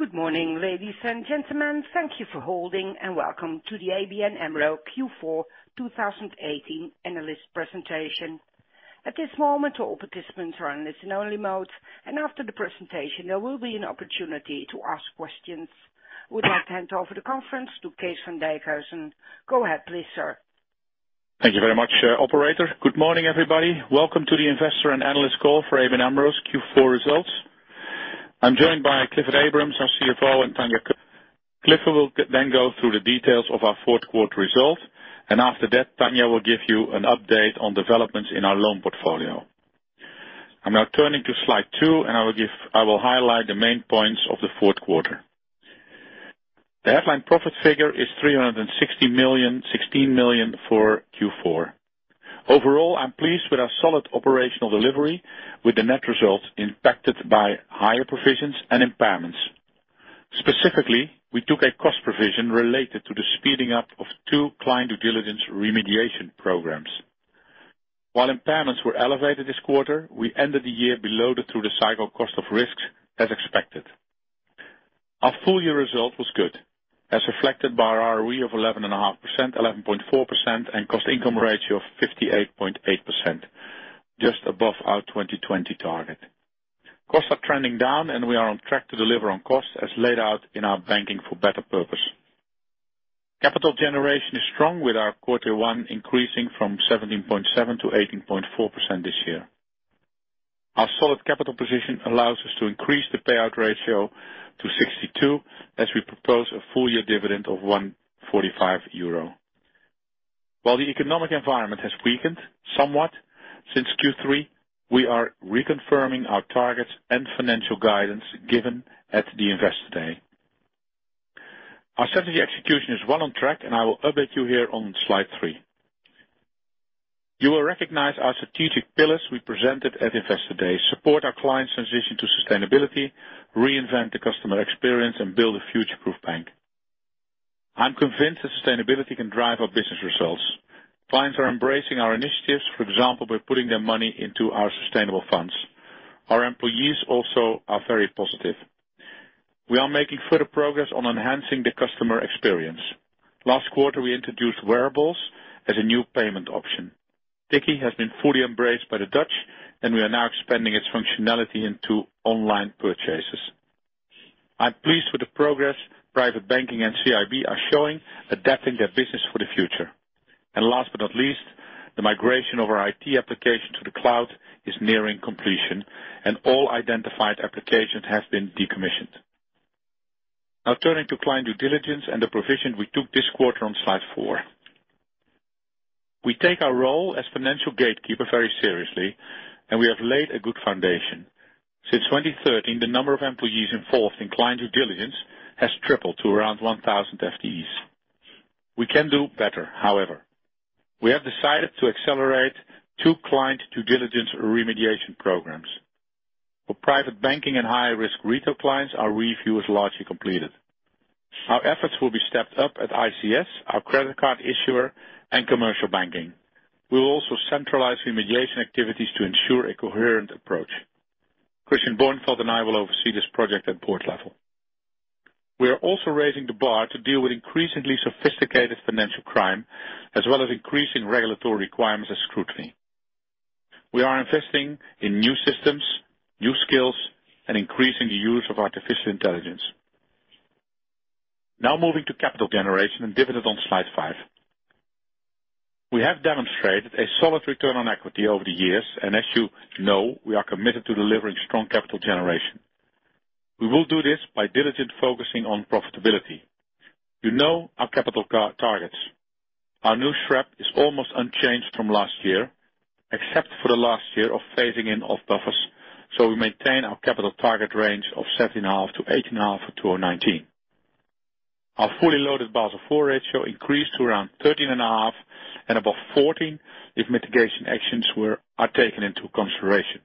Good morning, ladies and gentlemen. Thank you for holding and welcome to the ABN AMRO Q4 2018 Analyst Presentation. At this moment, all participants are in listen-only mode. After the presentation, there will be an opportunity to ask questions. I would like to hand over the conference to Kees van Dijkhuizen. Go ahead, please, sir. Thank you very much, operator. Good morning, everybody. Welcome to the Investor and Analyst Call for ABN AMRO's Q4 Results. I'm joined by Clifford Abrahams, our CFO, and Tanja. Clifford will go through the details of our fourth-quarter results. After that, Tanja will give you an update on developments in our loan portfolio. I'm now turning to slide two. I will highlight the main points of the fourth quarter. The headline profit figure is 360 million, 16 million for Q4. Overall, I'm pleased with our solid operational delivery, with the net results impacted by higher provisions and impairments. Specifically, we took a cost provision related to the speeding up of two client due diligence remediation programs. While impairments were elevated this quarter, we ended the year below the through-the-cycle cost of risks as expected. Our full-year result was good, as reflected by our ROE of 11.5%, 11.4%, and cost income ratio of 58.8%, just above our 2020 target. Costs are trending down. We are on track to deliver on costs as laid out in our Banking for better purpose. Capital generation is strong with our CET1 increasing from 17.7% to 18.4% this year. Our solid capital position allows us to increase the payout ratio to 62% as we propose a full-year dividend of 1.45 euro. While the economic environment has weakened somewhat since Q3, we are reconfirming our targets and financial guidance given at the Investor Day. Our strategy execution is well on track. I will update you here on slide three. You will recognize our strategic pillars we presented at Investor Day: support our clients' transition to sustainability, reinvent the customer experience, and build a future-proof bank. I'm convinced that sustainability can drive our business results. Clients are embracing our initiatives, for example, by putting their money into our sustainable funds. Our employees also are very positive. We are making further progress on enhancing the customer experience. Last quarter, we introduced wearables as a new payment option. Tikkie has been fully embraced by the Dutch. We are now expanding its functionality into online purchases. I'm pleased with the progress private banking and CIB are showing, adapting their business for the future. Last but not least, the migration of our IT application to the cloud is nearing completion. All identified applications have been decommissioned. Now turning to client due diligence and the provision we took this quarter on slide four. We take our role as financial gatekeeper very seriously. We have laid a good foundation. Since 2013, the number of employees involved in client due diligence has tripled to around 1,000 FTEs. We can do better, however. We have decided to accelerate two client due diligence remediation programs. For private banking and high-risk retail clients, our review is largely completed. Our efforts will be stepped up at ICS, our credit card issuer, and commercial banking. We will also centralize remediation activities to ensure a coherent approach. Christian Bornfeld and I will oversee this project at board level. We are also raising the bar to deal with increasingly sophisticated financial crime, as well as increasing regulatory requirements and scrutiny. We are investing in new systems, new skills, and increasing the use of artificial intelligence. Moving to capital generation and dividend on slide five. We have demonstrated a solid return on equity over the years, and as you know, we are committed to delivering strong capital generation. We will do this by diligent focusing on profitability. You know our capital targets. Our new SREP is almost unchanged from last year, except for the last year of phasing in of buffers, we maintain our capital target range of 17.5%-18.5% for 2019. Our fully loaded Basel IV ratio increased to around 13.5% and above 14% if mitigation actions are taken into consideration.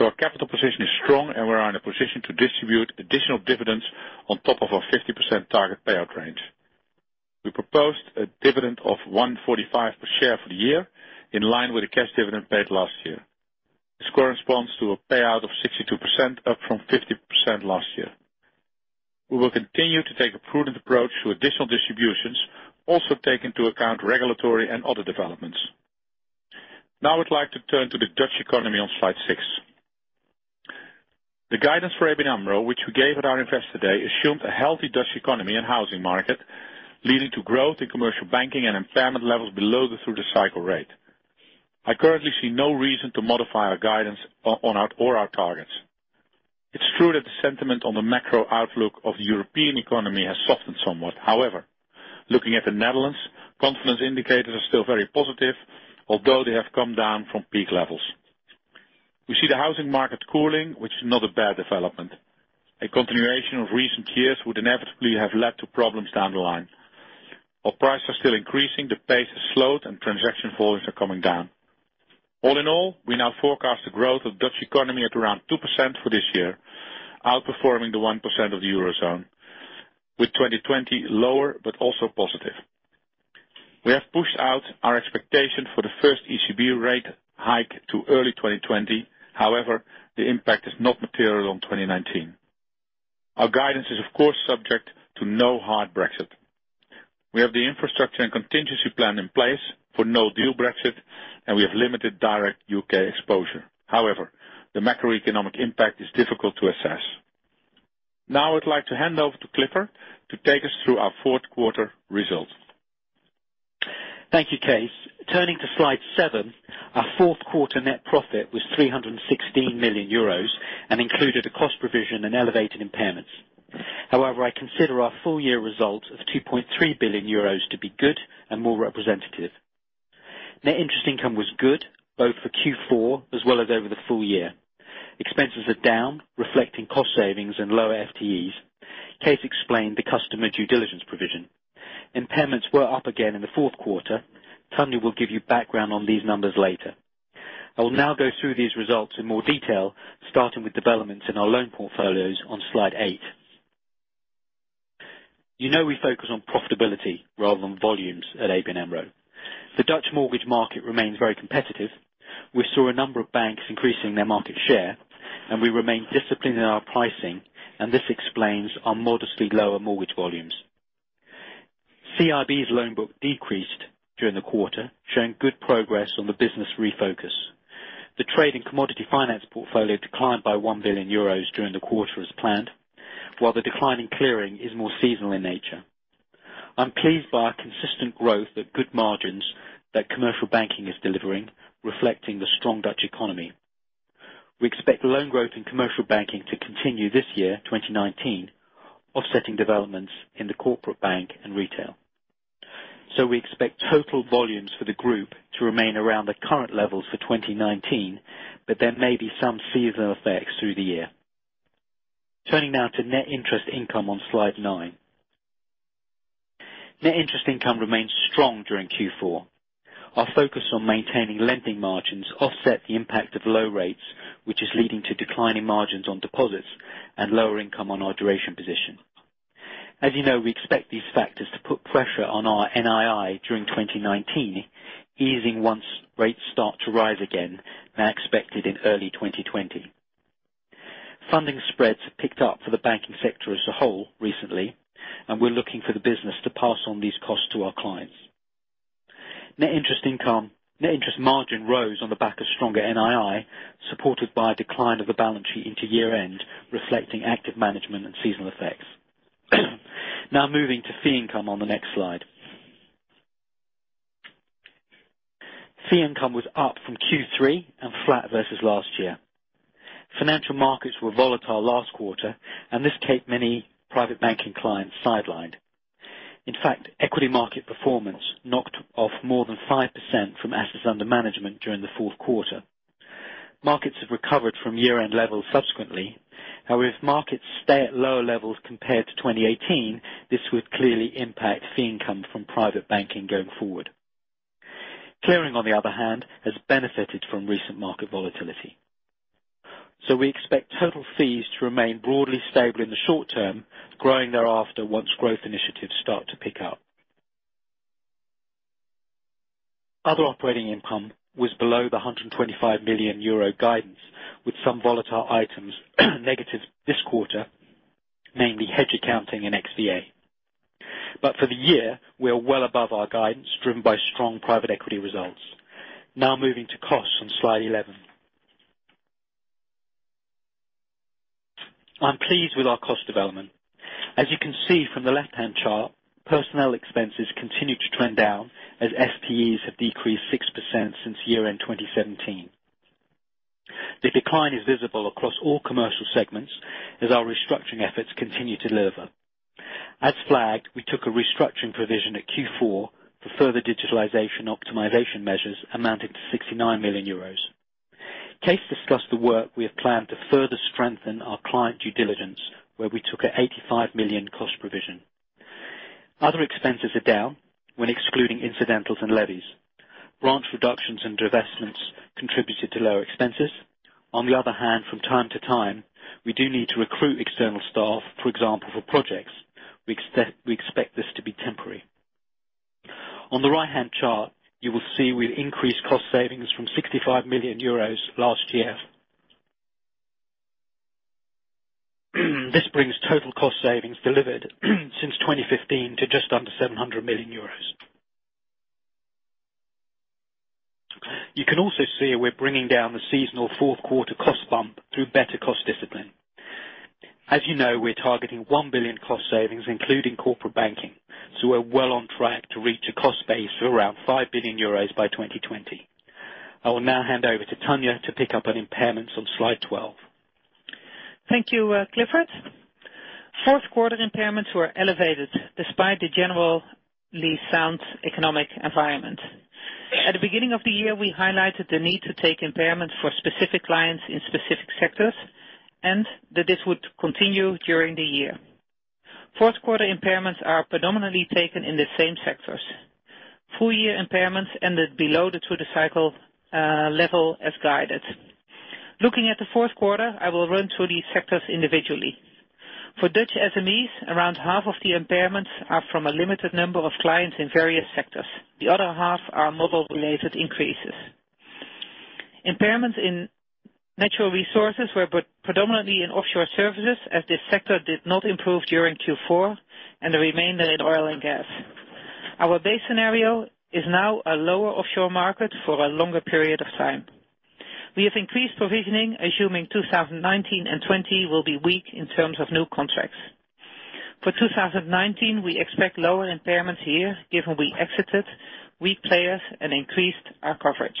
Our capital position is strong and we are in a position to distribute additional dividends on top of our 50% target payout range. We proposed a dividend of 1.45 per share for the year, in line with the cash dividend paid last year. This corresponds to a payout of 62%, up from 50% last year. We will continue to take a prudent approach to additional distributions, also take into account regulatory and other developments. I'd like to turn to the Dutch economy on slide six. The guidance for ABN AMRO, which we gave at our Investor Day, assumed a healthy Dutch economy and housing market, leading to growth in commercial banking and impairment levels below the through-the-cycle rate. I currently see no reason to modify our guidance or our targets. It's true that the sentiment on the macro outlook of European economy has softened somewhat. However, looking at the Netherlands, confidence indicators are still very positive, although they have come down from peak levels. We see the housing market cooling, which is not a bad development. A continuation of recent years would inevitably have led to problems down the line. While prices are still increasing, the pace has slowed and transaction volumes are coming down. We now forecast the growth of Dutch economy at around 2% for this year, outperforming the 1% of the Eurozone, with 2020 lower, but also positive. We have pushed out our expectation for the first ECB rate hike to early 2020. However, the impact is not material on 2019. Our guidance is, of course, subject to no hard Brexit. We have the infrastructure and contingency plan in place for no-deal Brexit, we have limited direct U.K. exposure. However, the macroeconomic impact is difficult to assess. I would like to hand over to Clifford to take us through our fourth quarter results. Thank you, Kees. Turning to slide seven, our fourth quarter net profit was EUR 316 million and included a cost provision and elevated impairments. However, I consider our full year result of 2.3 billion euros to be good and more representative. Net interest income was good, both for Q4 as well as over the full year. Expenses are down, reflecting cost savings and lower FTEs. Kees explained the customer due diligence provision. Impairments were up again in the fourth quarter. Tanja will give you background on these numbers later. I will now go through these results in more detail, starting with developments in our loan portfolios on slide eight. You know we focus on profitability rather than volumes at ABN AMRO. The Dutch mortgage market remains very competitive. We saw a number of banks increasing their market share, we remain disciplined in our pricing, this explains our modestly lower mortgage volumes. CIB's loan book decreased during the quarter, showing good progress on the business refocus. The trade in commodity finance portfolio declined by 1 billion euros during the quarter as planned, while the decline in clearing is more seasonal in nature. I'm pleased by our consistent growth at good margins that commercial banking is delivering, reflecting the strong Dutch economy. We expect loan growth in commercial banking to continue this year, 2019, offsetting developments in the corporate bank and retail. We expect total volumes for the group to remain around the current levels for 2019, but there may be some seasonal effects through the year. Turning now to net interest income on slide nine. Net interest income remained strong during Q4. Our focus on maintaining lending margins offset the impact of low rates, which is leading to declining margins on deposits and lower income on our duration position. As you know, we expect these factors to put pressure on our NII during 2019, easing once rates start to rise again, now expected in early 2020. Funding spreads have picked up for the banking sector as a whole recently, we're looking for the business to pass on these costs to our clients. Net interest margin rose on the back of stronger NII, supported by a decline of the balance sheet into year-end, reflecting active management and seasonal effects. Moving to fee income on the next slide. Fee income was up from Q3 and flat versus last year. Financial markets were volatile last quarter, this kept many private banking clients sidelined. In fact, equity market performance knocked off more than 5% from assets under management during the fourth quarter. Markets have recovered from year-end levels subsequently. However, if markets stay at lower levels compared to 2018, this would clearly impact fee income from private banking going forward. Clearing, on the other hand, has benefited from recent market volatility. We expect total fees to remain broadly stable in the short term, growing thereafter once growth initiatives start to pick up. Other operating income was below the 125 million euro guidance, with some volatile items negative this quarter, namely hedge accounting and XVA. But for the year, we are well above our guidance, driven by strong private equity results. Moving to costs on slide 11. I am pleased with our cost development. As you can see from the left-hand chart, personnel expenses continue to trend down as FTEs have decreased 6% since year-end 2017. The decline is visible across all commercial segments as our restructuring efforts continue to deliver. As flagged, we took a restructuring provision at Q4 for further digitalization optimization measures amounting to 69 million euros. Kees discussed the work we have planned to further strengthen our client due diligence, where we took a 85 million cost provision. Other expenses are down when excluding incidentals and levies. Branch reductions and divestments contributed to lower expenses. On the other hand, from time to time, we do need to recruit external staff, for example, for projects. We expect this to be temporary. On the right-hand chart, you will see we have increased cost savings from 65 million euros last year. This brings total cost savings delivered since 2015 to just under 700 million euros. You can also see we are bringing down the seasonal fourth quarter cost bump through better cost discipline. As you know, we are targeting 1 billion cost savings, including corporate banking. We are well on track to reach a cost base of around 5 billion euros by 2020. I will now hand over to Tanja to pick up on impairments on slide 12. Thank you, Clifford. Fourth quarter impairments were elevated despite the generally sound economic environment. At the beginning of the year, we highlighted the need to take impairments for specific clients in specific sectors, and that this would continue during the year. Fourth quarter impairments are predominantly taken in the same sectors. Full year impairments ended below the through-the-cycle level as guided. Looking at the fourth quarter, I will run through these sectors individually. For Dutch SMEs, around half of the impairments are from a limited number of clients in various sectors. The other half are model-related increases. Impairments in natural resources were predominantly in offshore services, as this sector did not improve during Q4 and remained in oil and gas. Our base scenario is now a lower offshore market for a longer period of time. We have increased provisioning, assuming 2019 and 2020 will be weak in terms of new contracts. For 2019, we expect lower impairments here, given we exited weak players and increased our coverage.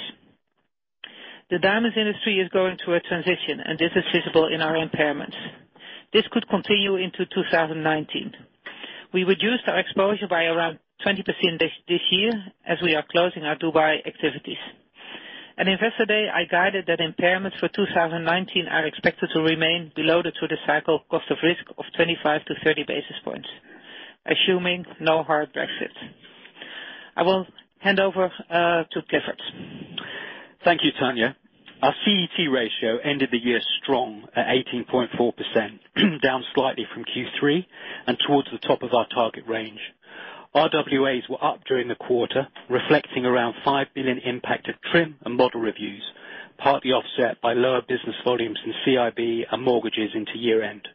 The diamonds industry is going through a transition. This is visible in our impairments. This could continue into 2019. We reduced our exposure by around 20% this year as we are closing our Dubai activities. At Investor Day, I guided that impairments for 2019 are expected to remain below the through-the-cycle cost of risk of 25-30 basis points, assuming no hard Brexit. I will hand over to Clifford. Thank you, Tanja. Our CET ratio ended the year strong at 18.4%, down slightly from Q3 and towards the top of our target range. RWAs were up during the quarter, reflecting around 5 billion impact of TRIM and model reviews, partly offset by lower business volumes in CIB and mortgages into year-end.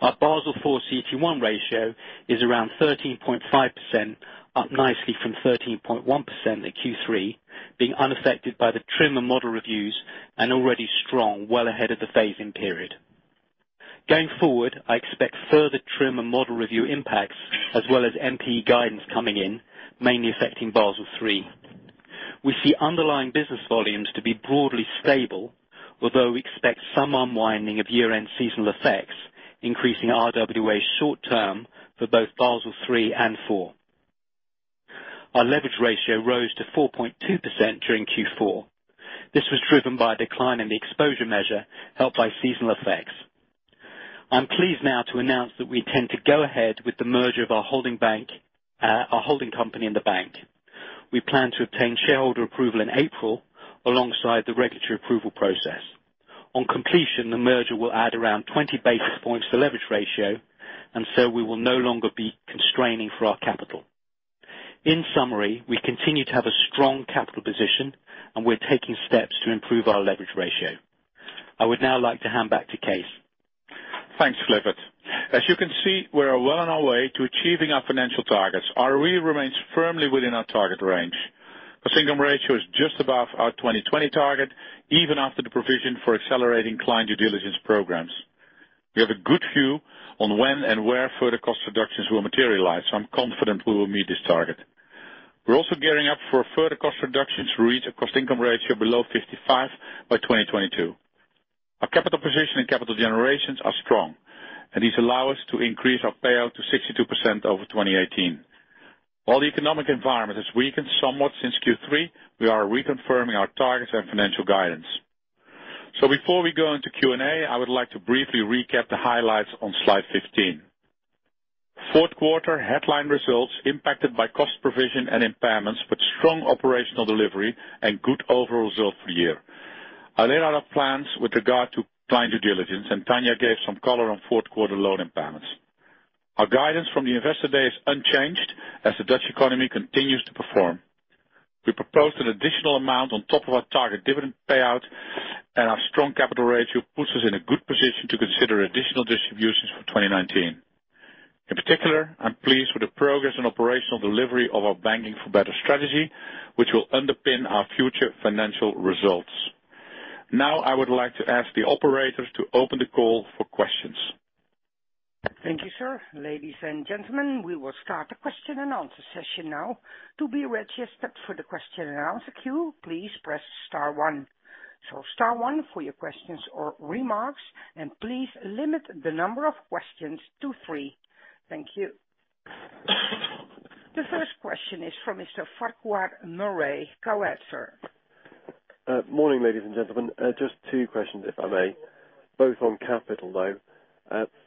Our Basel IV CET1 ratio is around 13.5%, up nicely from 13.1% at Q3, being unaffected by the TRIM and model reviews and already strong, well ahead of the phase-in period. Going forward, I expect further TRIM and model review impacts as well as NPE guidance coming in, mainly affecting Basel III. We see underlying business volumes to be broadly stable, although we expect some unwinding of year-end seasonal effects, increasing RWA short-term for both Basel III and IV. Our leverage ratio rose to 4.2% during Q4. This was driven by a decline in the exposure measure helped by seasonal effects. I'm pleased now to announce that we intend to go ahead with the merger of our holding company and the bank. We plan to obtain shareholder approval in April alongside the regulatory approval process. On completion, the merger will add around 20 basis points to the leverage ratio. We will no longer be constraining for our capital. In summary, we continue to have a strong capital position, and we're taking steps to improve our leverage ratio. I would now like to hand back to Kees. Thanks, Clifford. As you can see, we are well on our way to achieving our financial targets. ROE remains firmly within our target range. The income ratio is just above our 2020 target, even after the provision for accelerating client due diligence programs. We have a good view on when and where further cost reductions will materialize. I'm confident we will meet this target. We're also gearing up for further cost reductions to reach a cost-income ratio below 55 by 2022. Our capital position and capital generations are strong. These allow us to increase our payout to 62% over 2018. While the economic environment has weakened somewhat since Q3, we are reconfirming our targets and financial guidance. Before we go into Q&A, I would like to briefly recap the highlights on slide 15. Fourth quarter headline results impacted by cost provision and impairments, strong operational delivery and good overall result for the year. I laid out our plans with regard to client due diligence. Tanja gave some color on fourth quarter loan impairments. Our guidance from the Investor Day is unchanged as the Dutch economy continues to perform. We proposed an additional amount on top of our target dividend payout, our strong capital ratio puts us in a good position to consider additional distributions for 2019. In particular, I'm pleased with the progress on operational delivery of our banking for better strategy, which will underpin our future financial results. I would like to ask the operators to open the call for questions. Thank you, sir. Ladies and gentlemen, we will start the question and answer session now. To be registered for the question and answer queue, please press star one. Star one for your questions or remarks, please limit the number of questions to three. Thank you. The first question is from Mr. Farquhar Murray. Go ahead, sir. Morning, ladies and gentlemen. Just two questions, if I may. Both on capital, though.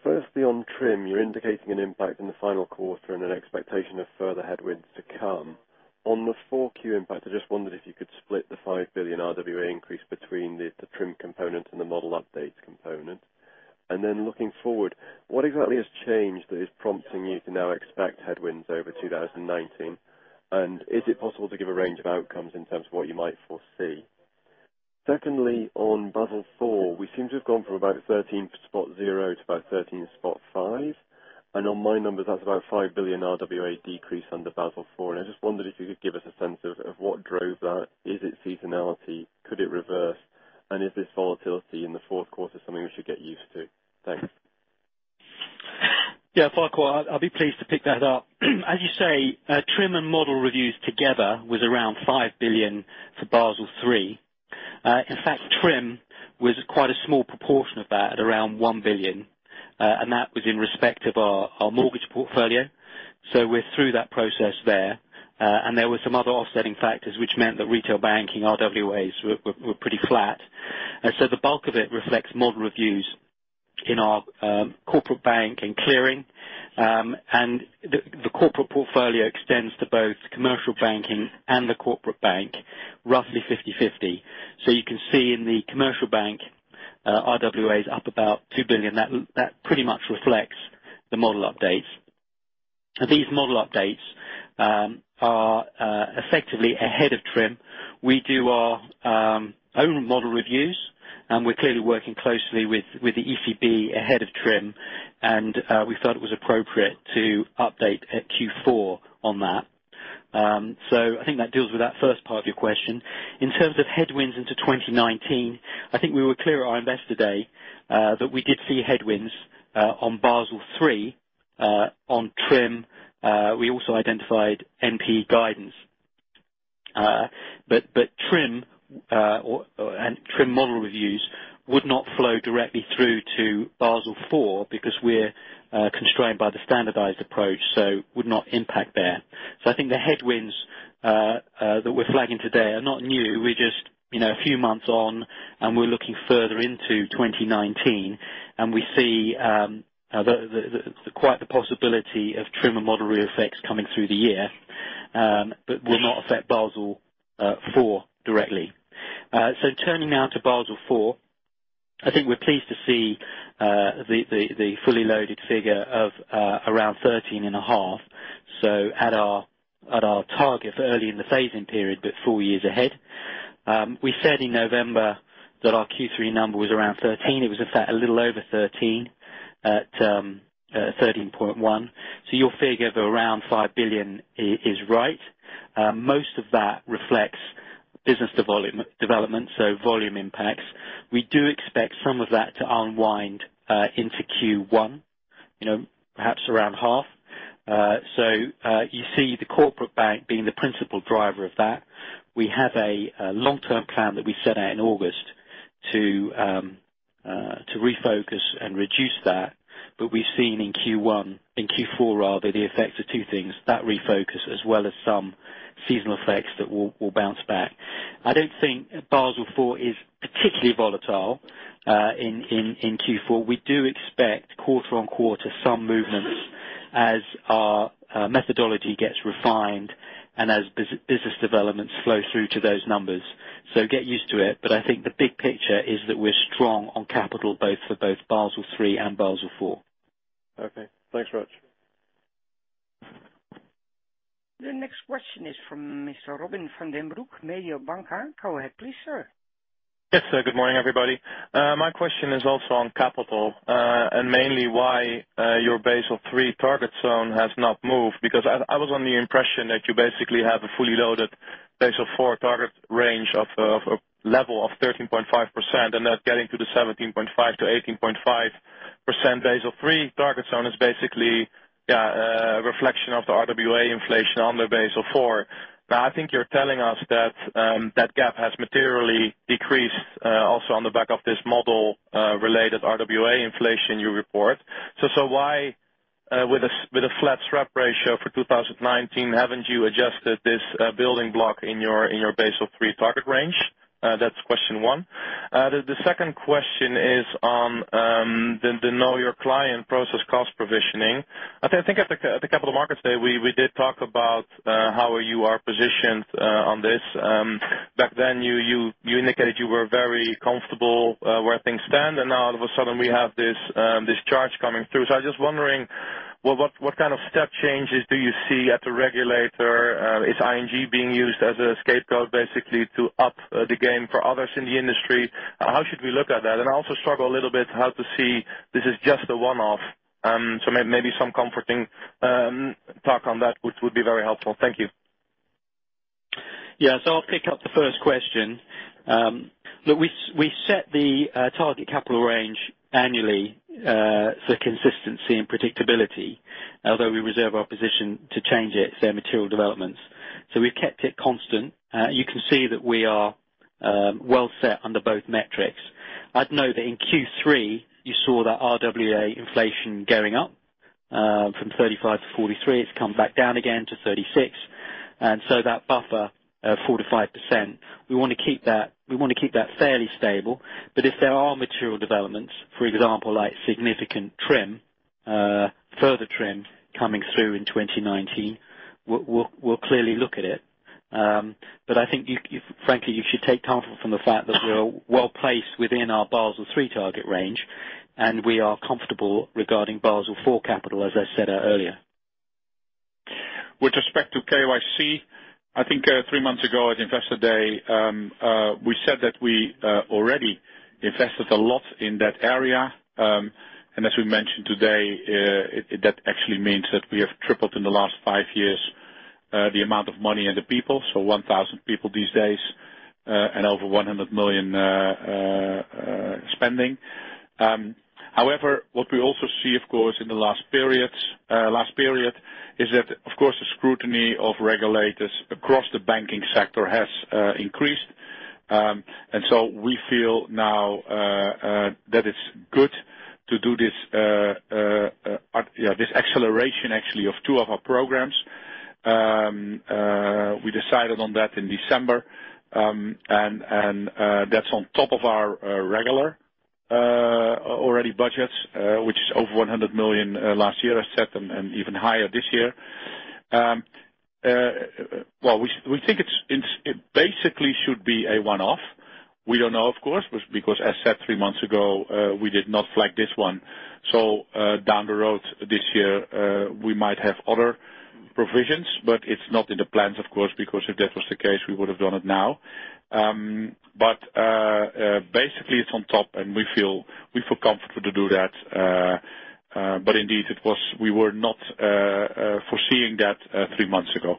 Firstly, on TRIM, you're indicating an impact in the final quarter an expectation of further headwinds to come. On the 4Q impact, I just wondered if you could split the 5 billion RWA increase between the TRIM component the model updates component. Looking forward, what exactly has changed that is prompting you to now expect headwinds over 2019, is it possible to give a range of outcomes in terms of what you might foresee? Secondly, on Basel IV, we seem to have gone from about 13.0 to about 13.5. I know my number's about 5 billion RWA decrease under Basel IV, I just wondered if you could give us a sense of what drove that. Is it seasonality? Could it reverse? Is this volatility in the fourth quarter something we should get used to? Thanks. Farquhar, I'll be pleased to pick that up. As you say, TRIM and model reviews together was around 5 billion for Basel III. In fact, TRIM was quite a small proportion of that at around 1 billion. That was in respect of our mortgage portfolio. We're through that process there. There were some other offsetting factors, which meant that retail banking RWAs were pretty flat. The bulk of it reflects model reviews in our corporate bank and clearing. The corporate portfolio extends to both commercial banking and the corporate bank, roughly 50/50. You can see in the commercial bank, RWA is up about 2 billion. That pretty much reflects the model updates. These model updates are effectively ahead of TRIM. We do our own model reviews, we're clearly working closely with the ECB ahead of TRIM, and we thought it was appropriate to update at Q4 on that. I think that deals with that first part of your question. In terms of headwinds into 2019, I think we were clear at our investor day, that we did see headwinds on Basel III, on TRIM. We also identified NPE guidance. TRIM and TRIM model reviews would not flow directly through to Basel IV because we're constrained by the standardized approach, would not impact there. I think the headwinds that we're flagging today are not new. We're just a few months on, we're looking further into 2019, and we see quite the possibility of TRIM and model re-effects coming through the year, but will not affect Basel IV directly. Turning now to Basel IV. I think we're pleased to see the fully loaded figure of around 13.5. At our target early in the phasing period, four years ahead. We said in November that our Q3 number was around 13. It was in fact a little over 13 at 13.1. Your figure of around 5 billion is right. Most of that reflects business development, volume impacts. We do expect some of that to unwind into Q1, perhaps around half. You see the corporate bank being the principal driver of that. We have a long-term plan that we set out in August to refocus and reduce that. We've seen in Q1, in Q4 rather, the effect of two things, that refocus as well as some seasonal effects that will bounce back. I don't think Basel IV is particularly volatile in Q4. We do expect quarter on quarter some movements as our methodology gets refined and as business developments flow through to those numbers. Get used to it. I think the big picture is that we're strong on capital both for both Basel III and Basel IV. Okay, thanks very much. The next question is from Mr. Robin van den Broek, Mediobanca. Go ahead, please, sir. Yes, good morning, everybody. My question is also on capital, and mainly why your Basel III target zone has not moved. I was on the impression that you basically have a fully loaded Basel IV target range of a level of 13.5%, and that getting to the 17.5%-18.5% Basel III target zone is basically a reflection of the RWA inflation on the Basel IV. I think you're telling us that that gap has materially decreased, also on the back of this model related RWA inflation you report. Why, with a flat SREP ratio for 2019, haven't you adjusted this building block in your Basel III target range? That's question one. The second question is on the know your client process cost provisioning. I think at the capital markets day, we did talk about how you are positioned on this. Back then, you indicated you were very comfortable where things stand, and now all of a sudden we have this charge coming through. I was just wondering what kind of step changes do you see at the regulator? Is ING being used as a scapegoat, basically, to up the game for others in the industry? How should we look at that? I also struggle a little bit how to see this is just a one-off. Maybe some comforting talk on that, which would be very helpful. Thank you. Yeah. I'll pick up the first question. Look, we set the target capital range annually, for consistency and predictability. Although we reserve our position to change it if there are material developments. We've kept it constant. You can see that we are well set under both metrics. I'd note that in Q3, you saw that RWA inflation going up, from 35 to 43. It's come back down again to 36. That buffer of 4%-5%, we want to keep that fairly stable. If there are material developments, for example, like significant TRIM, further TRIM coming through in 2019, we'll clearly look at it. I think frankly, you should take comfort from the fact that we're well-placed within our Basel III target range, and we are comfortable regarding Basel IV capital, as I said earlier. With respect to KYC, I think three months ago at Investor Day, we said that we already invested a lot in that area. As we mentioned today, that actually means that we have tripled in the last five years, the amount of money and the people. 1,000 people these days, and over 100 million spending. What we also see, of course, in the last period is that, of course, the scrutiny of regulators across the banking sector has increased. We feel now that it's good to do this acceleration actually of two of our programs. We decided on that in December, and that's on top of our regular already budgets, which is over 100 million last year, I said, and even higher this year. We think it basically should be a one-off. We don't know, of course, because as I said three months ago, we did not flag this one. Down the road this year, we might have other provisions, it's not in the plans, of course, because if that was the case, we would have done it now. Basically, it's on top, and we feel comfortable to do that. Indeed, we were not foreseeing that three months ago.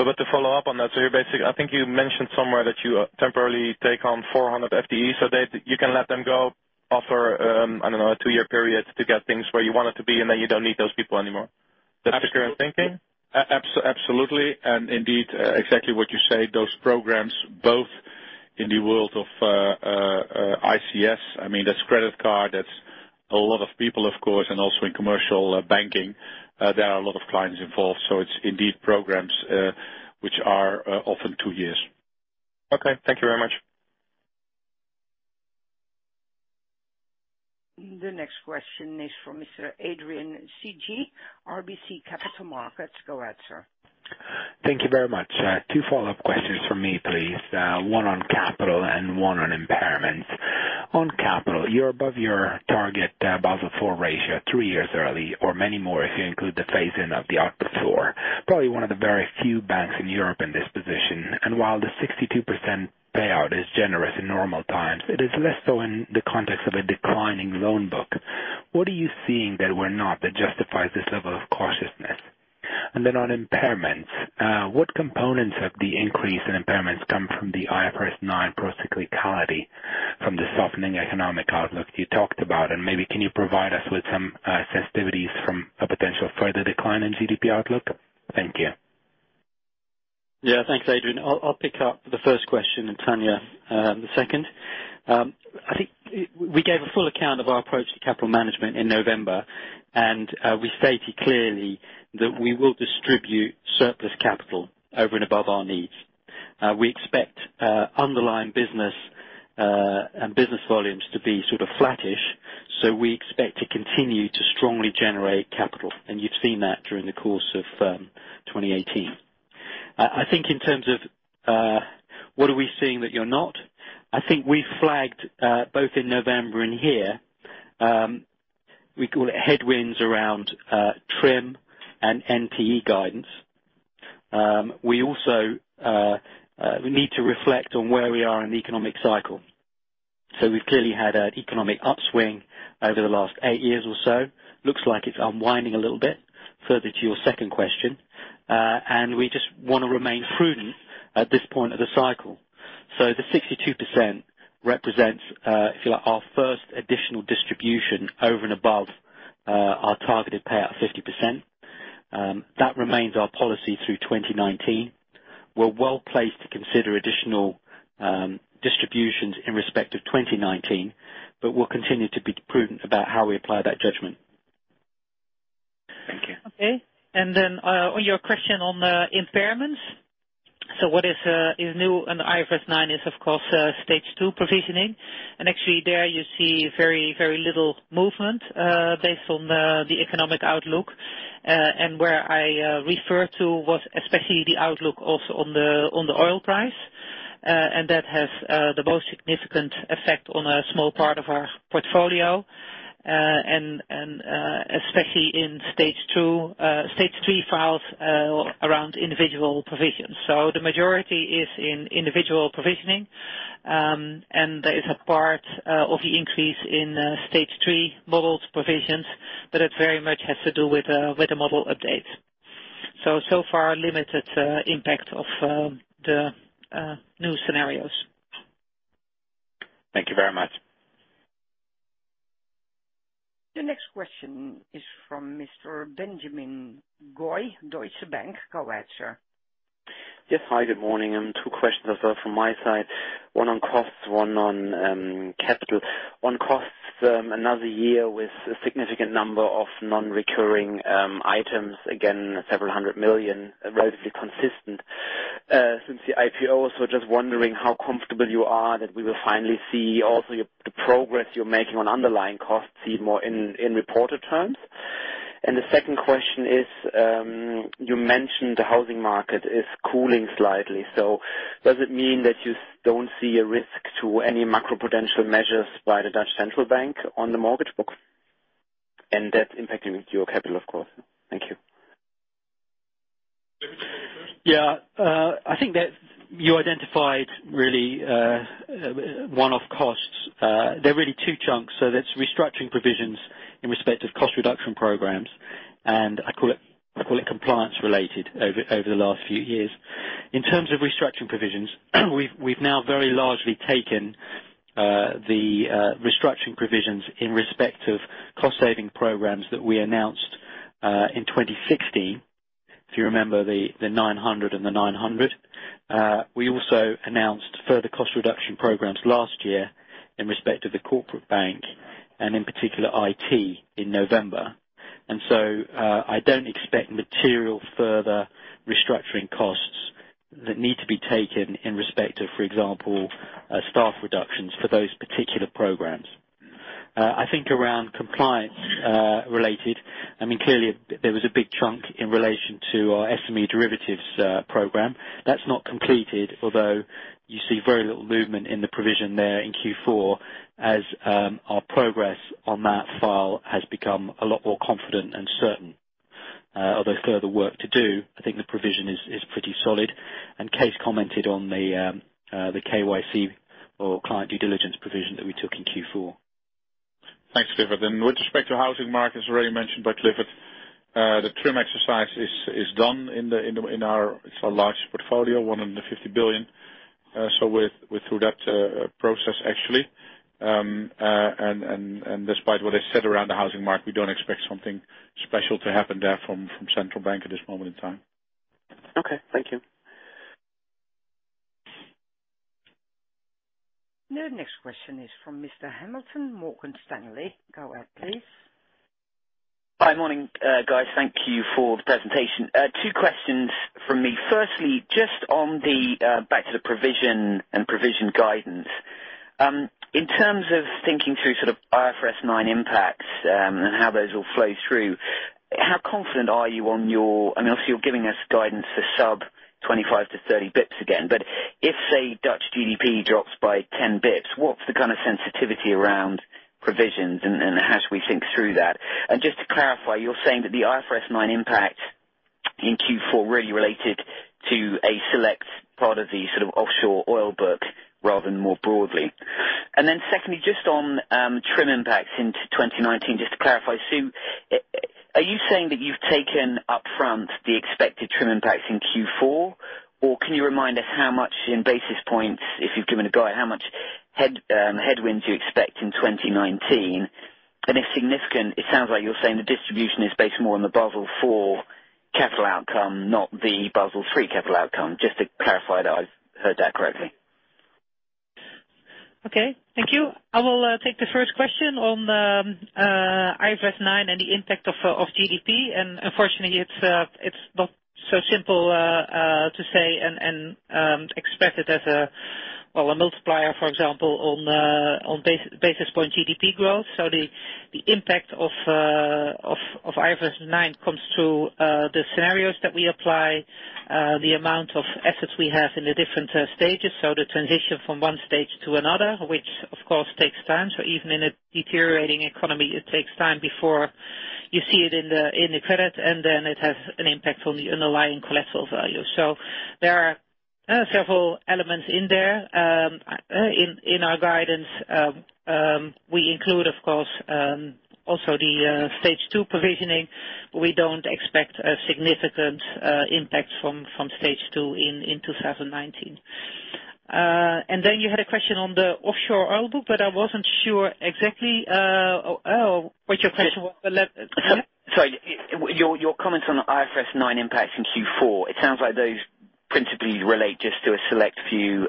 To follow up on that, I think you mentioned somewhere that you temporarily take on 400 FTEs so that you can let them go after, I don't know, a two-year period to get things where you want it to be, and then you don't need those people anymore. Is that the current thinking? Absolutely. Indeed, exactly what you say, those programs, both in the world of ICS, I mean, that's credit card, that's a lot of people, of course. Also in commercial banking, there are a lot of clients involved. It's indeed programs which are often two years. Okay. Thank you very much. The next question is from Mr. Adrian Cighi, RBC Capital Markets. Go ahead, sir. Thank you very much. Two follow-up questions from me, please. One on capital and one on impairments. On capital, you're above your target Basel IV ratio three years early or many more if you include the phase-in of the Basel IV. Probably one of the very few banks in Europe in this position. While the 62% payout is generous in normal times, it is less so in the context of a declining loan book. What are you seeing that we're not that justifies this level of cautiousness? Then on impairments, what components of the increase in impairments come from the IFRS 9 procyclicality from the softening economic outlook you talked about, and maybe can you provide us with some sensitivities from a potential further decline in GDP outlook? Thank you. Yeah. Thanks, Adrian. I'll pick up the first question, Tanja, the second. I think we gave a full account of our approach to capital management in November, we stated clearly that we will distribute surplus capital over and above our needs. We expect underlying business and business volumes to be sort of flattish, we expect to continue to strongly generate capital. You've seen that during the course of 2018. I think in terms of what are we seeing that you're not, I think we flagged both in November and here. We call it headwinds around TRIM and NPE guidance. We need to reflect on where we are in the economic cycle. We've clearly had an economic upswing over the last eight years or so. Looks like it's unwinding a little bit, further to your second question. We just want to remain prudent at this point of the cycle. The 62% represents, if you like, our first additional distribution over and above our targeted payout of 50%. That remains our policy through 2019. We're well-placed to consider additional distributions in respect of 2019, we'll continue to be prudent about how we apply that judgment. Thank you. Okay. Then on your question on the impairments. What is new on IFRS 9 is, of course, stage two provisioning. Actually there you see very little movement based on the economic outlook. Where I refer to was especially the outlook also on the oil price. That has the most significant effect on a small part of our portfolio, especially in stage three files around individual provisions. The majority is in individual provisioning, there is a part of the increase in stage three modeled provisions, it very much has to do with the model updates. So far, limited impact of the new scenarios. Thank you very much. The next question is from Mr. Benjamin Goy, Deutsche Bank. Go ahead, sir. Yes. Hi, good morning. two questions as well from my side. One on costs, one on capital. On costs, another year with a significant number of non-recurring items. Again, several hundred million, relatively consistent since the IPO. Just wondering how comfortable you are that we will finally see also the progress you're making on underlying costs, see more in reported terms. The second question is, you mentioned the housing market is cooling slightly, does it mean that you don't see a risk to any macro potential measures by the De Nederlandsche Bank on the mortgage book? That's impacting your capital, of course. Thank you. Yeah. I think that you identified really one-off costs. They're really two chunks. That's restructuring provisions in respect of cost reduction programs. I call it compliance related over the last few years. In terms of restructuring provisions, we've now very largely taken the restructuring provisions in respect of cost saving programs that we announced in 2016. If you remember the 900 and the 900. We also announced further cost reduction programs last year in respect of the corporate bank and in particular IT in November. I don't expect material further restructuring costs that need to be taken in respect of, for example, staff reductions for those particular programs. I think around compliance related, clearly there was a big chunk in relation to our SME derivatives program. That's not completed, although you see very little movement in the provision there in Q4 as our progress on that file has become a lot more confident and certain. Although further work to do, I think the provision is pretty solid. Kees commented on the KYC or client due diligence provision that we took in Q4. Thanks, Clifford. With respect to housing market, as already mentioned by Clifford, the TRIM exercise is done in our large portfolio, 150 billion. We're through that process actually. Despite what I said around the housing market, we don't expect something special to happen there from Central Bank at this moment in time. Okay. Thank you. The next question is from Mr. Hamilton, Morgan Stanley. Go ahead, please. Hi. Morning, guys. Thank you for the presentation. Two questions from me. Firstly, just back to the provision and provision guidance. In terms of thinking through IFRS 9 impacts, and how those all flow through, how confident are you on your You're giving us guidance for sub 25 to 30 basis points again. If, say, Dutch GDP drops by 10 basis points, what's the kind of sensitivity around provisions and how should we think through that? Just to clarify, you're saying that the IFRS 9 impact in Q4 really related to a select part of the offshore oil book rather than more broadly. Secondly, just on TRIM impacts into 2019, just to clarify, are you saying that you've taken upfront the expected TRIM impacts in Q4? Can you remind us how much in basis points, if you've given a guide, how much headwinds you expect in 2019? If significant, it sounds like you're saying the distribution is based more on the Basel IV capital outcome, not the Basel III capital outcome. Just to clarify that I've heard that correctly. Okay. Thank you. I will take the first question on IFRS 9 and the impact of GDP. Unfortunately, it's not so simple to say and expect it as a multiplier, for example, on basis point GDP growth. The impact of IFRS 9 comes through the scenarios that we apply, the amount of assets we have in the different stages. The transition from one stage to another, which of course takes time. Even in a deteriorating economy, it takes time before you see it in the credit, and then it has an impact on the underlying collateral value. There are several elements in there. In our guidance, we include, of course, also the stage two provisioning. We don't expect a significant impact from stage two in 2019. You had a question on the offshore oil book, but I wasn't sure exactly what your question was. Sorry. Your comments on IFRS 9 impacts in Q4. It sounds like those principally relate just to a select few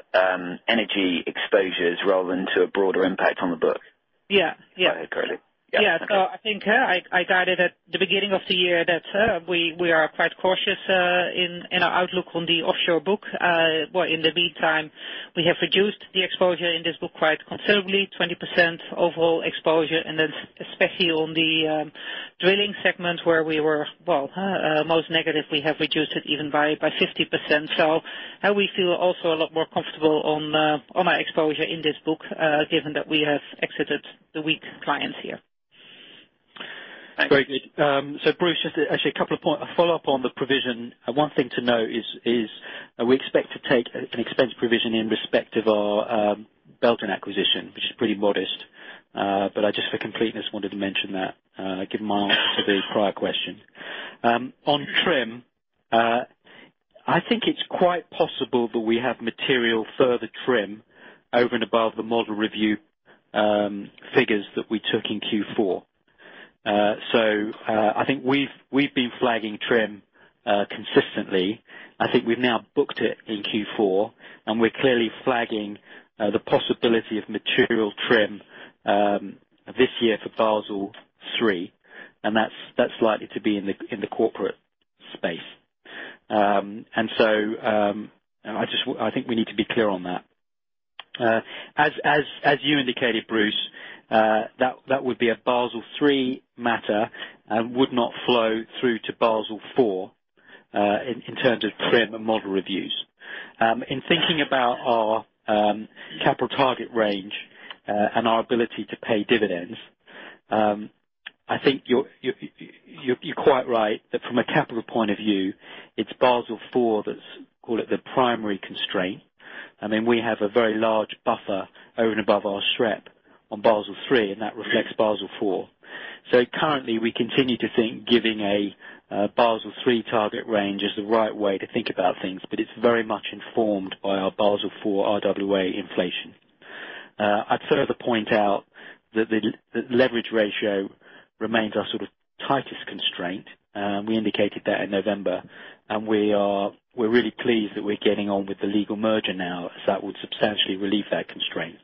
energy exposures rather than to a broader impact on the book. Yeah. If I heard correctly. Yeah. Okay. I think I guided at the beginning of the year that we are quite cautious in our outlook on the offshore book. In the meantime, we have reduced the exposure in this book quite considerably, 20% overall exposure, and then especially on the drilling segment where we were most negative, we have reduced it even by 50%. We feel also a lot more comfortable on our exposure in this book, given that we have exited the weak clients here. Thanks. Very good. Bruce, just actually a couple of points. A follow-up on the provision. One thing to note is we expect to take an expense provision in respect of our Belgian acquisition, which is pretty modest. I just for completeness, wanted to mention that given my answer to the prior question. On TRIM, I think it's quite possible that we have material further TRIM over and above the model review figures that we took in Q4. I think we've been flagging TRIM consistently. I think we've now booked it in Q4, and we're clearly flagging the possibility of material TRIM this year for Basel III, and that's likely to be in the corporate space. I think we need to be clear on that. As you indicated, Bruce, that would be a Basel III matter and would not flow through to Basel IV, in terms of TRIM and model reviews. In thinking about our capital target range, and our ability to pay dividends, I think you're quite right that from a capital point of view, it's Basel IV that's, call it the primary constraint. We have a very large buffer over and above our SREP on Basel III, and that reflects Basel IV. Currently we continue to think giving a Basel III target range is the right way to think about things, but it's very much informed by our Basel IV RWA inflation. I'd further point out that the leverage ratio remains our tightest constraint. We indicated that in November, and we're really pleased that we're getting on with the legal merger now, as that would substantially relieve that constraint.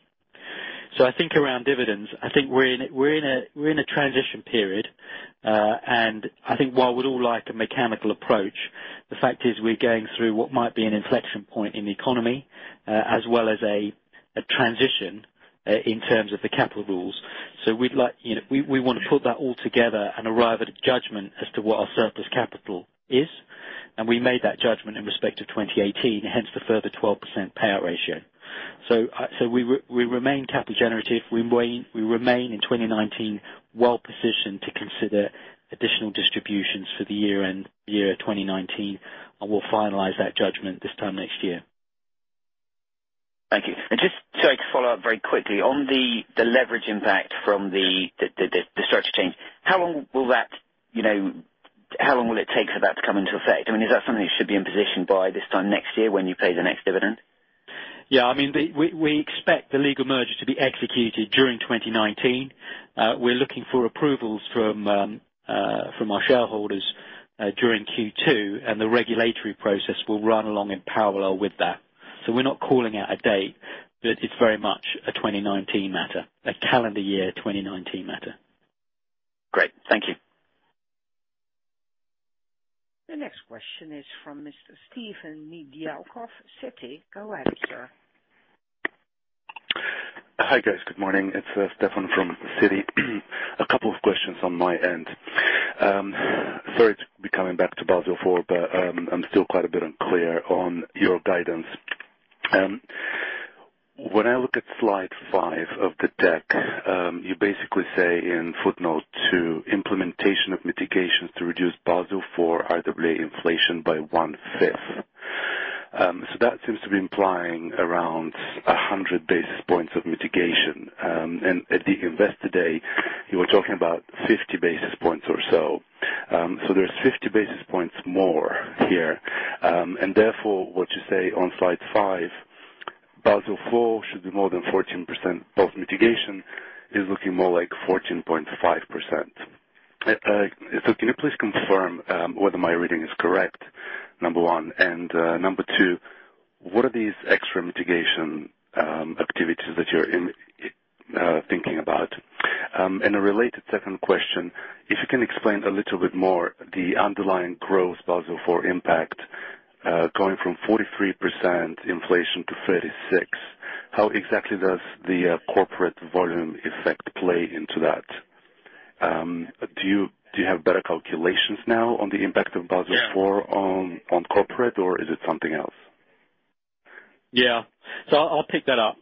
I think around dividends, I think we're in a transition period. I think while we'd all like a mechanical approach, the fact is we're going through what might be an inflection point in the economy, as well as a transition in terms of the capital rules. We want to put that all together and arrive at a judgment as to what our surplus capital is. We made that judgment in respect of 2018, hence the further 12% payout ratio. We remain capital generative. We remain, in 2019, well-positioned to consider additional distributions for the year 2019, and we'll finalize that judgment this time next year. Thank you. Just so I could follow up very quickly. On the leverage impact from the structure change, how long will it take for that to come into effect? I mean, is that something that should be in position by this time next year when you pay the next dividend? Yeah. We expect the legal merger to be executed during 2019. We're looking for approvals from our shareholders during Q2, and the regulatory process will run along in parallel with that. We're not calling out a date, but it's very much a 2019 matter, a calendar year 2019 matter. Great. Thank you. The next question is from Mr. Stefan Nedialkov, Citi. Go ahead, sir. Hi, guys. Good morning. It's Stefan from Citi. A couple of questions on my end. Sorry to be coming back to Basel IV, but I'm still quite a bit unclear on your guidance. When I look at slide five of the deck, you basically say in footnote two, implementation of mitigations to reduce Basel IV RWA inflation by one-fifth. That seems to be implying around 100 basis points of mitigation. At the Investor Day, you were talking about 50 basis points or so. There's 50 basis points more here. Therefore, what you say on slide five, Basel IV should be more than 14% post-mitigation, is looking more like 14.5%. Can you please confirm whether my reading is correct, number one and number two, what are these extra mitigation activities that you're thinking about? A related second question, if you can explain a little bit more the underlying growth Basel IV impact, going from 43% inflation to 36%. How exactly does the corporate volume effect play into that? Do you have better calculations now on the impact of Basel IV- Yeah on corporate, or is it something else? Yeah. I'll pick that up.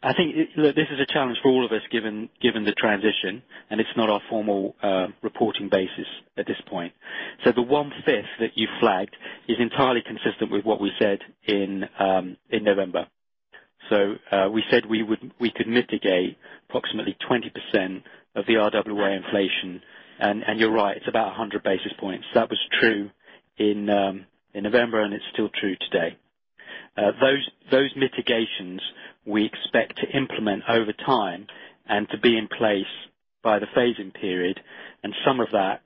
I think this is a challenge for all of us, given the transition, and it's not our formal reporting basis at this point. The 1/5 that you flagged is entirely consistent with what we said in November. We said we could mitigate approximately 20% of the RWA inflation. You're right, it's about 100 basis points. That was true in November, and it's still true today. Those mitigations we expect to implement over time and to be in place by the phasing period. Some of that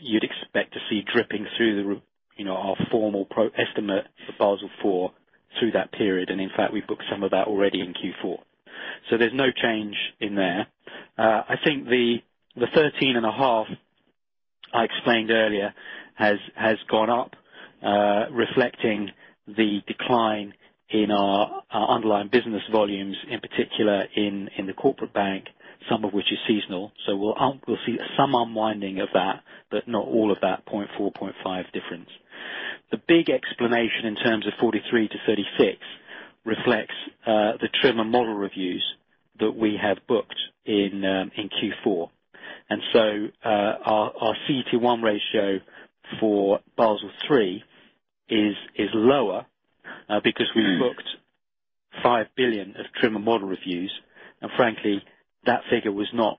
you'd expect to see dripping through our formal estimate for Basel IV through that period. In fact, we've booked some of that already in Q4. There's no change in there. I think the 13.5% I explained earlier has gone up, reflecting the decline in our underlying business volumes, in particular in the corporate bank, some of which is seasonal. We'll see some unwinding of that, but not all of that 0.4, 0.5 difference. The big explanation in terms of 43 to 36 reflects the TRIM and model reviews that we have booked in Q4. Our CET1 ratio for Basel III is lower because we've booked 5 billion of TRIM and model reviews. Frankly, that figure was not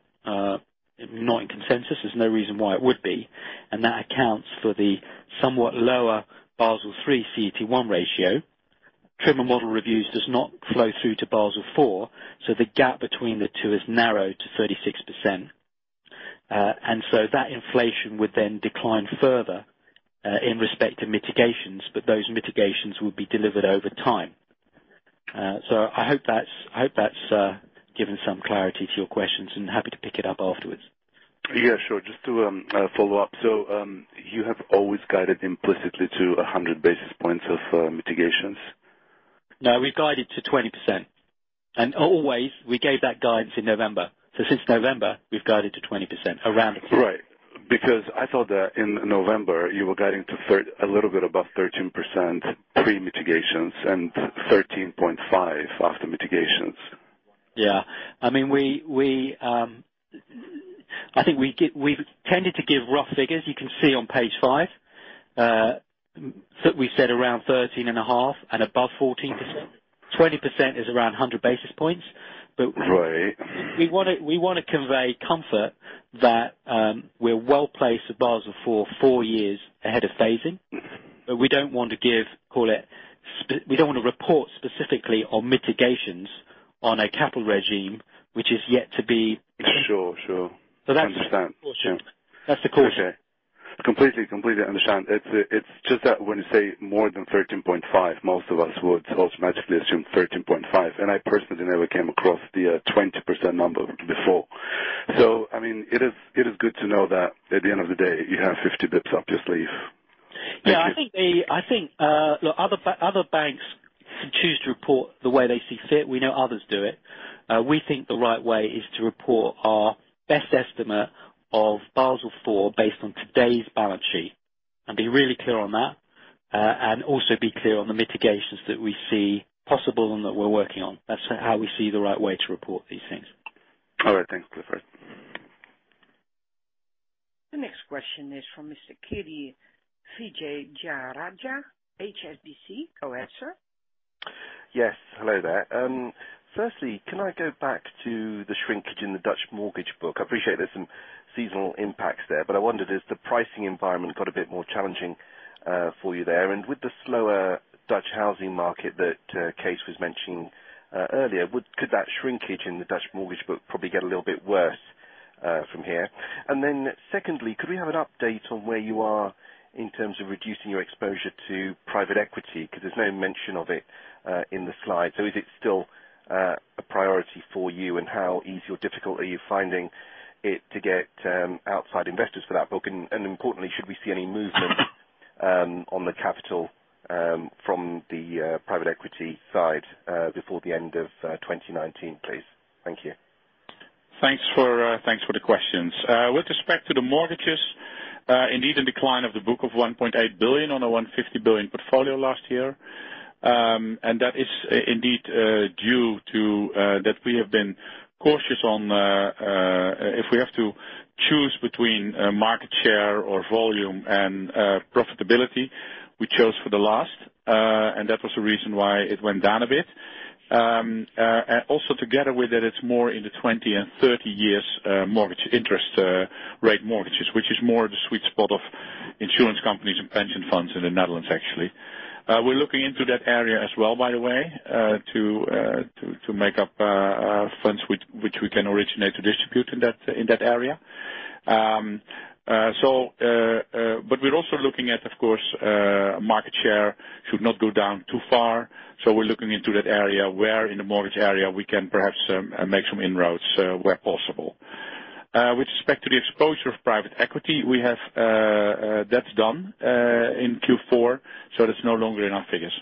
in consensus. There's no reason why it would be. That accounts for the somewhat lower Basel III CET1 ratio. TRIM and model reviews does not flow through to Basel IV, so the gap between the two is narrowed to 36%. That inflation would then decline further, in respect to mitigations, those mitigations would be delivered over time. I hope that's given some clarity to your questions, and happy to pick it up afterwards. Yeah, sure. Just to follow up. You have always guided implicitly to 100 basis points of mitigations? No, we've guided to 20%. Always, we gave that guidance in November. Since November, we've guided to 20%, around. Right. I thought that in November, you were guiding to a little bit above 13% pre-mitigations and 13.5% after mitigations. Yeah. I think we've tended to give rough figures. You can see on page five. We said around 13.5% and above 14%. 20% is around 100 basis points. Right We want to convey comfort that we're well-placed at Basel IV four years ahead of phasing. We don't want to report specifically on mitigations on a capital regime which is yet to be - Sure. So that's- I understand. Sure. That's the caution. Okay. Completely understand. It's just that when you say more than 13.5%, most of us would automatically assume 13.5%, and I personally never came across the 20% number before. It is good to know that at the end of the day, you have 50 basis points up your sleeve. Thank you. Yeah. I think other banks can choose to report the way they see fit. We know others do it. We think the right way is to report our best estimate of Basel IV based on today's balance sheet, and be really clear on that. Also be clear on the mitigations that we see possible and that we're working on. That's how we see the right way to report these things. All right. Thanks, Clifford. The next question is from Mr. Kiri Vijayarajah, HSBC. Go ahead, sir. Yes. Hello there. Firstly, can I go back to the shrinkage in the Dutch mortgage book? I appreciate there's some seasonal impacts there, but I wondered if the pricing environment got a bit more challenging for you there. With the slower Dutch housing market that Kees was mentioning earlier, could that shrinkage in the Dutch mortgage book probably get a little bit worse from here? Secondly, could we have an update on where you are in terms of reducing your exposure to private equity? Because there's no mention of it in the slide. Is it still a priority for you, and how easy or difficult are you finding it to get outside investors for that book? Importantly, should we see any movement on the capital from the private equity side before the end of 2019, please? Thank you. Thanks for the questions. With respect to the mortgages, indeed, a decline of the book of 1.8 billion on a 150 billion portfolio last year. That is indeed due to that we have been cautious on if we have to choose between market share or volume and profitability, we chose for the last. That was the reason why it went down a bit. Also, together with it's more in the 20 and 30 years mortgage interest rate mortgages, which is more the sweet spot of insurance companies and pension funds in the Netherlands, actually. We're looking into that area as well, by the way, to make up funds which we can originate to distribute in that area. We're also looking at, of course, market share should not go down too far. We're looking into that area, where in the mortgage area we can perhaps make some inroads where possible. With respect to the exposure of private equity, that's done in Q4, so that's no longer in our figures.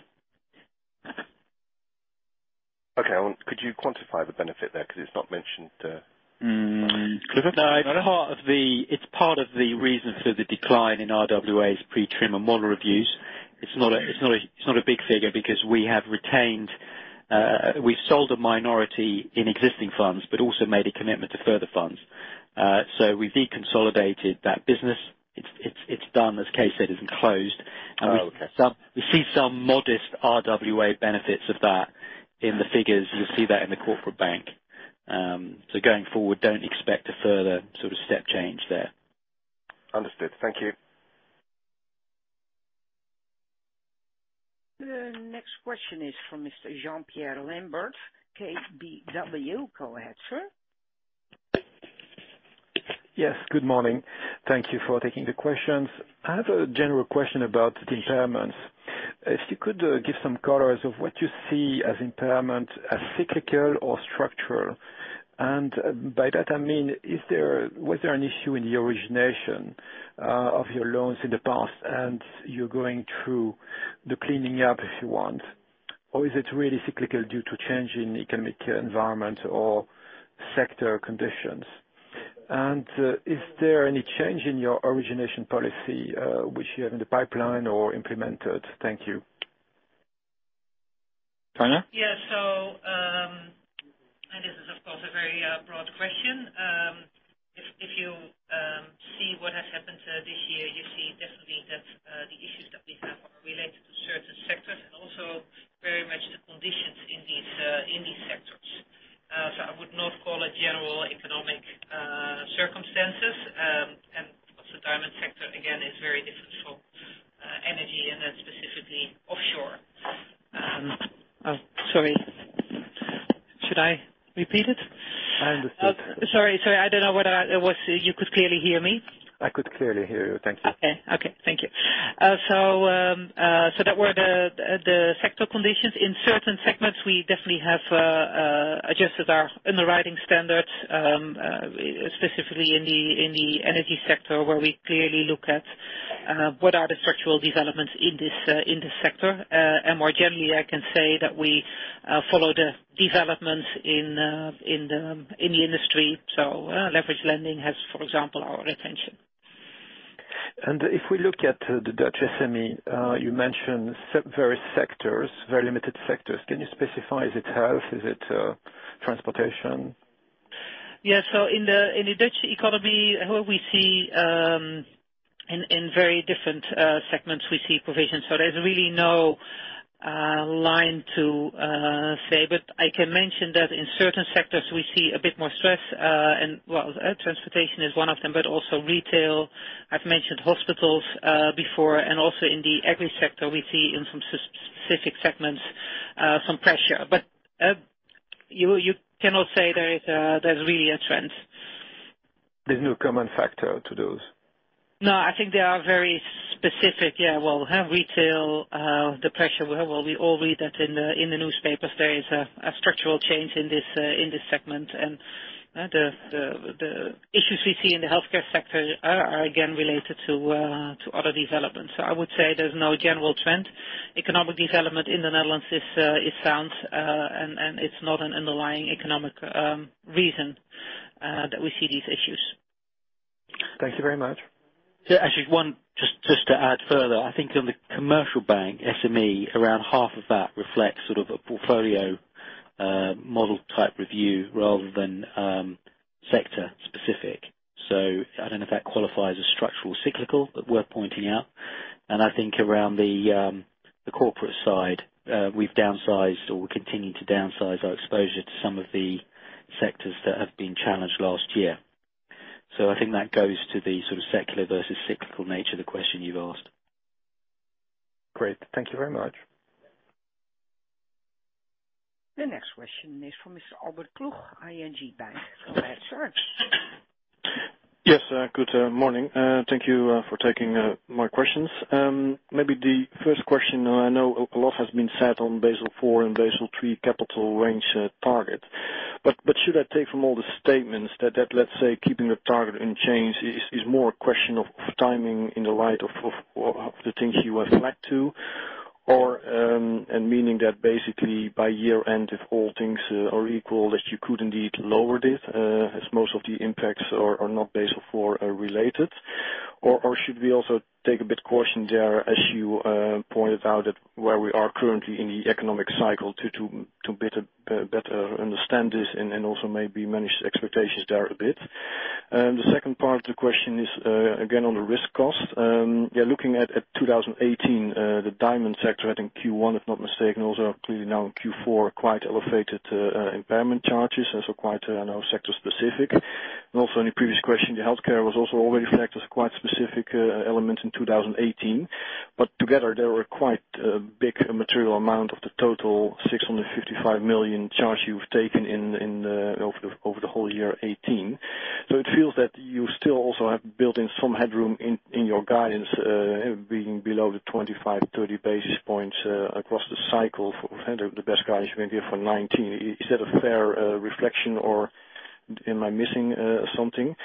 Okay. Could you quantify the benefit there? Because it is not mentioned. Clifford? No. It is part of the reason for the decline in RWAs pre-TRIM and model reviews. It is not a big figure because we have sold a minority in existing funds, but also made a commitment to further funds. We have deconsolidated that business. It is done, as Kees said, it has been closed. Okay. We see some modest RWA benefits of that in the figures. You will see that in the corporate bank. Going forward, don't expect a further step change there. Understood. Thank you. The next question is from Mr. Jean-Pierre Lambert, KBW. Go ahead, sir. Yes, good morning. Thank you for taking the questions. I have a general question about the impairments. If you could give some colors of what you see as impairment, as cyclical or structural. By that, I mean, was there an issue in the origination of your loans in the past and you're going through the cleaning up, if you want? Is it really cyclical due to change in economic environment or sector conditions? Is there any change in your origination policy which you have in the pipeline or implemented? Thank you. Tanja? Yeah. This is, of course, a very broad question. If you see what has happened this year, you see definitely that the issues that we have are related to certain sectors and also very much the conditions in these sectors. I would not call it general economic circumstances. Also diamond sector, again, is very different from energy and then specifically offshore. Sorry. Should I repeat it? I understood. Sorry. I don't know whether you could clearly hear me. I could clearly hear you. Thank you. Okay. Thank you. That were the sector conditions. In certain segments, we definitely have adjusted our underwriting standards, specifically in the energy sector, where we clearly look at what are the structural developments in this sector. More generally, I can say that we follow the developments in the industry. Leveraged lending has, for example, our attention. If we look at the Dutch SME, you mentioned various sectors, very limited sectors. Can you specify, is it health? Is it transportation? In the Dutch economy, in very different segments, we see provisions. There's really no line to say, but I can mention that in certain sectors we see a bit more stress. Transportation is one of them, but also retail. I've mentioned hospitals before, and also in the agri sector, we see in some specific segments some pressure. You cannot say there's really a trend. There's no common factor to those. I think they are very specific. Retail, the pressure, we all read that in the newspapers, there is a structural change in this segment. The issues we see in the healthcare sector are again related to other developments. I would say there's no general trend. Economic development in the Netherlands is sound, and it's not an underlying economic reason that we see these issues. Thank you very much. Yeah, actually one. Just to add further, I think on the commercial bank, SME, around half of that reflects a portfolio model type review rather than sector specific. I don't know if that qualifies as structural cyclical, but worth pointing out. I think around the corporate side, we've downsized or we're continuing to downsize our exposure to some of the sectors that have been challenged last year. I think that goes to the secular versus cyclical nature of the question you've asked. Great. Thank you very much. The next question is from Mr. Albert Ploegh, ING Bank. Go ahead, sir. Yes, good morning. Thank you for taking my questions. The first question, I know ABN AMRO has been set on Basel IV and Basel III capital range target. Should I take from all the statements that, let's say, keeping the target unchanged is more a question of timing in the light of the things you reflect to, meaning that basically by year-end, if all things are equal, that you could indeed lower this, as most of the impacts are not Basel IV related? Should we also take a bit caution there, as you pointed out where we are currently in the economic cycle to better understand this and also maybe manage the expectations there a bit. The second part of the question is again, on the risk cost. Looking at 2018, the diamond sector, I think Q1, if not mistaken, also clearly now in Q4, quite elevated impairment charges, also quite sector specific. Also in your previous question, the healthcare was also already flagged as a quite specific element in 2018. Together, they were quite a big material amount of the total 655 million charge you've taken over the whole year 2018. It feels that you still also have built in some headroom in your guidance, being below the 25-30 basis points across the cycle for the best guidance maybe for 2019. Is that a fair reflection or am I missing something?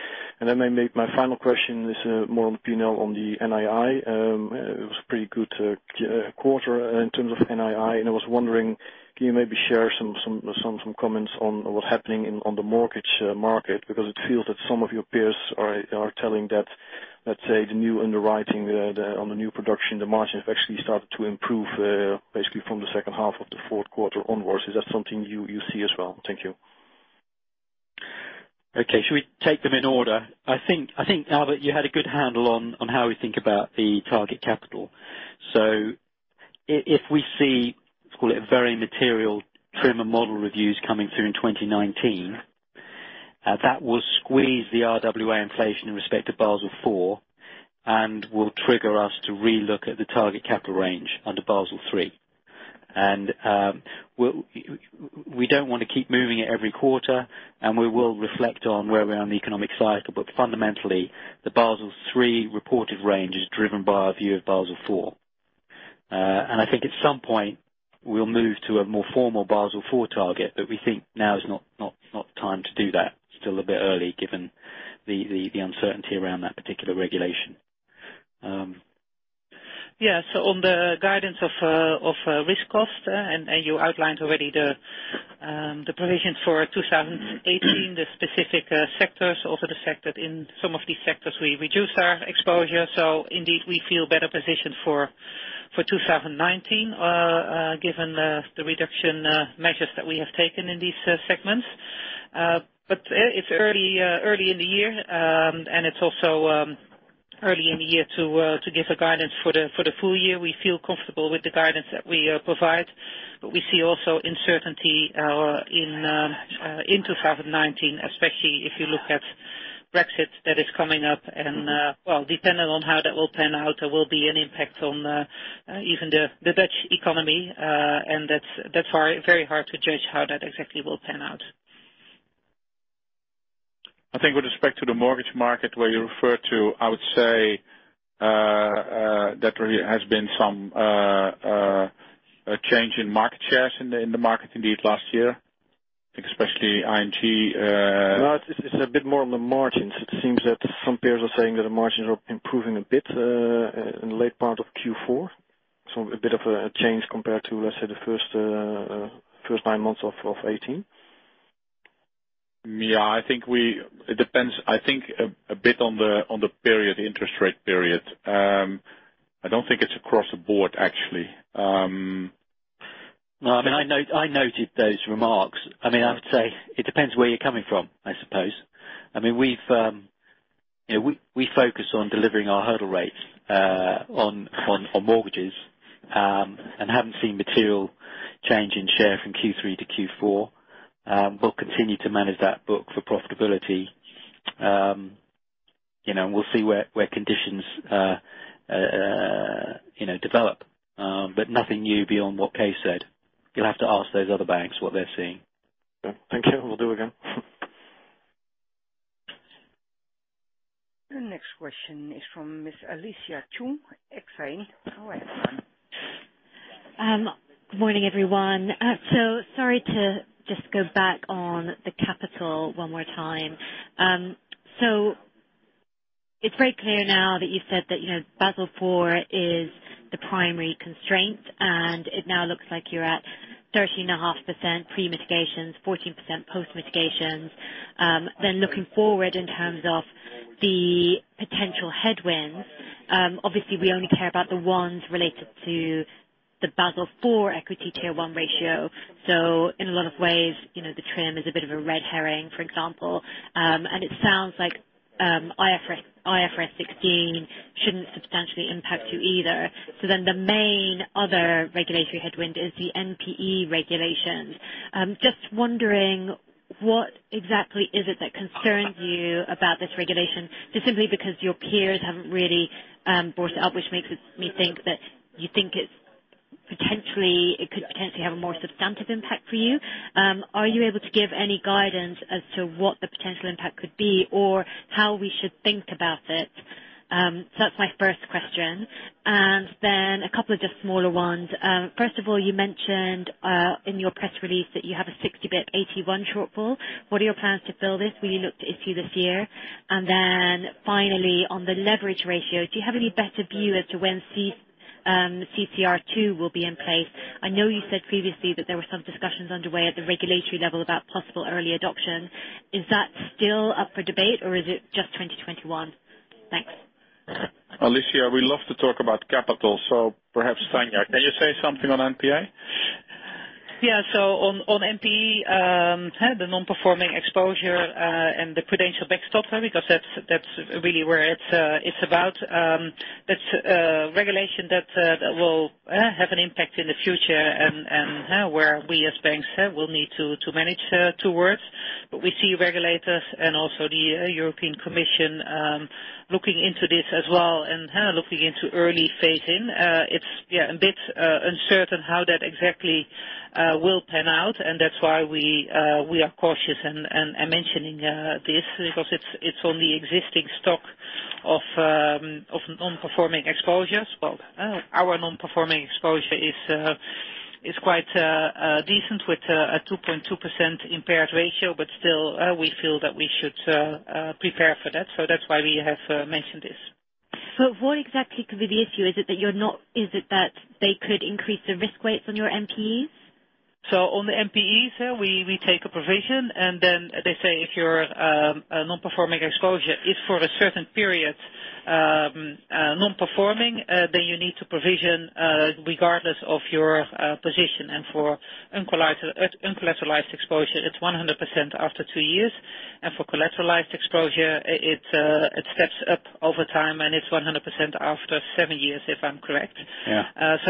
My final question is more on P&L on the NII. It was a pretty good quarter in terms of NII, I was wondering, can you maybe share some comments on what's happening on the mortgage market? It feels that some of your peers are telling that, let's say, the new underwriting on the new production, the margins have actually started to improve, basically from the second half of the fourth quarter onwards. Is that something you see as well? Thank you. Okay. Should we take them in order? I think, Albert, you had a good handle on how we think about the target capital. If we see, let's call it very material TRIM and model reviews coming through in 2019, that will squeeze the RWA inflation in respect to Basel IV and will trigger us to re-look at the target capital range under Basel III. We don't want to keep moving it every quarter, we will reflect on where we are in the economic cycle. Fundamentally, the Basel III reported range is driven by our view of Basel IV. I think at some point, we'll move to a more formal Basel IV target, we think now is not the time to do that. Still a bit early given the uncertainty around that particular regulation. Yeah. On the guidance of risk cost, and you outlined already the provisions for 2018, the specific sectors. Also the fact that in some of these sectors, we reduce our exposure. Indeed, we feel better positioned for 2019, given the reduction measures that we have taken in these segments. It's early in the year, and it's also early in the year to give a guidance for the full year. We feel comfortable with the guidance that we provide, but we see also uncertainty in 2019, especially if you look at Brexit that is coming up. Depending on how that will pan out, there will be an impact on even the Dutch economy. That's very hard to judge how that exactly will pan out. I think with respect to the mortgage market where you refer to, I would say there has been some change in market shares in the market indeed last year, especially ING. No, it's a bit more on the margins. It seems that some peers are saying that the margins are improving a bit in the late part of Q4, a bit of a change compared to, let's say, the first nine months of 2018. Yeah, it depends, I think a bit on the interest rate period. I don't think it's across the board, actually. No, I noted those remarks. I would say it depends where you're coming from, I suppose. We focus on delivering our hurdle rates on mortgages, and haven't seen material change in share from Q3 to Q4. We'll continue to manage that book for profitability. We'll see where conditions develop, but nothing new beyond what Kees said. You'll have to ask those other banks what they're seeing. Okay. Thank you. Will do again. The next question is from Miss Alicia Chung, Exane BNP Paribas. Go ahead. Good morning, everyone. Sorry to just go back on the capital one more time. It's very clear now that you've said that Basel IV is the primary constraint, and it now looks like you're at 13.5% pre-mitigations, 14% post-mitigations. Looking forward in terms of the potential headwinds, obviously we only care about the ones related to the Basel IV equity Tier 1 ratio. In a lot of ways, the TRIM is a bit of a red herring, for example, and it sounds like IFRS 16 shouldn't substantially impact you either. The main other regulatory headwind is the NPE regulations. I am just wondering what exactly is it that concerns you about this regulation, just simply because your peers haven't really brought it up, which makes me think that you think it could potentially have a more substantive impact for you. Are you able to give any guidance as to what the potential impact could be, or how we should think about it? That's my first question. A couple of just smaller ones. First of all, you mentioned in your press release that you have a 60 basis points AT1 shortfall. What are your plans to fill this? Will you look to issue this year? Finally, on the leverage ratio, do you have any better view as to when CRR II will be in place? I know you said previously that there were some discussions underway at the regulatory level about possible early adoption. Is that still up for debate or is it just 2021? Thanks. Alicia, we love to talk about capital, so perhaps Tanja, can you say something on NPE? On NPE, the non-performing exposure, and the credential backstop, because that's really where it's about. That's a regulation that will have an impact in the future, and where we as banks will need to manage towards. We see regulators and also the European Commission looking into this as well and looking into early phase-in. It's a bit uncertain how that exactly will pan out, and that's why we are cautious in mentioning this, because it's only existing stock of non-performing exposures. Our non-performing exposure is quite decent with a 2.2% impaired ratio, but still, we feel that we should prepare for that. That's why we have mentioned this. What exactly could be the issue? Is it that they could increase the risk weights on your NPEs? On the NPEs, we take a provision, then they say if your non-performing exposure is for a certain period non-performing, then you need to provision regardless of your position. For uncollateralized exposure, it's 100% after two years. For collateralized exposure, it steps up over time, and it's 100% after seven years, if I'm correct. Yeah.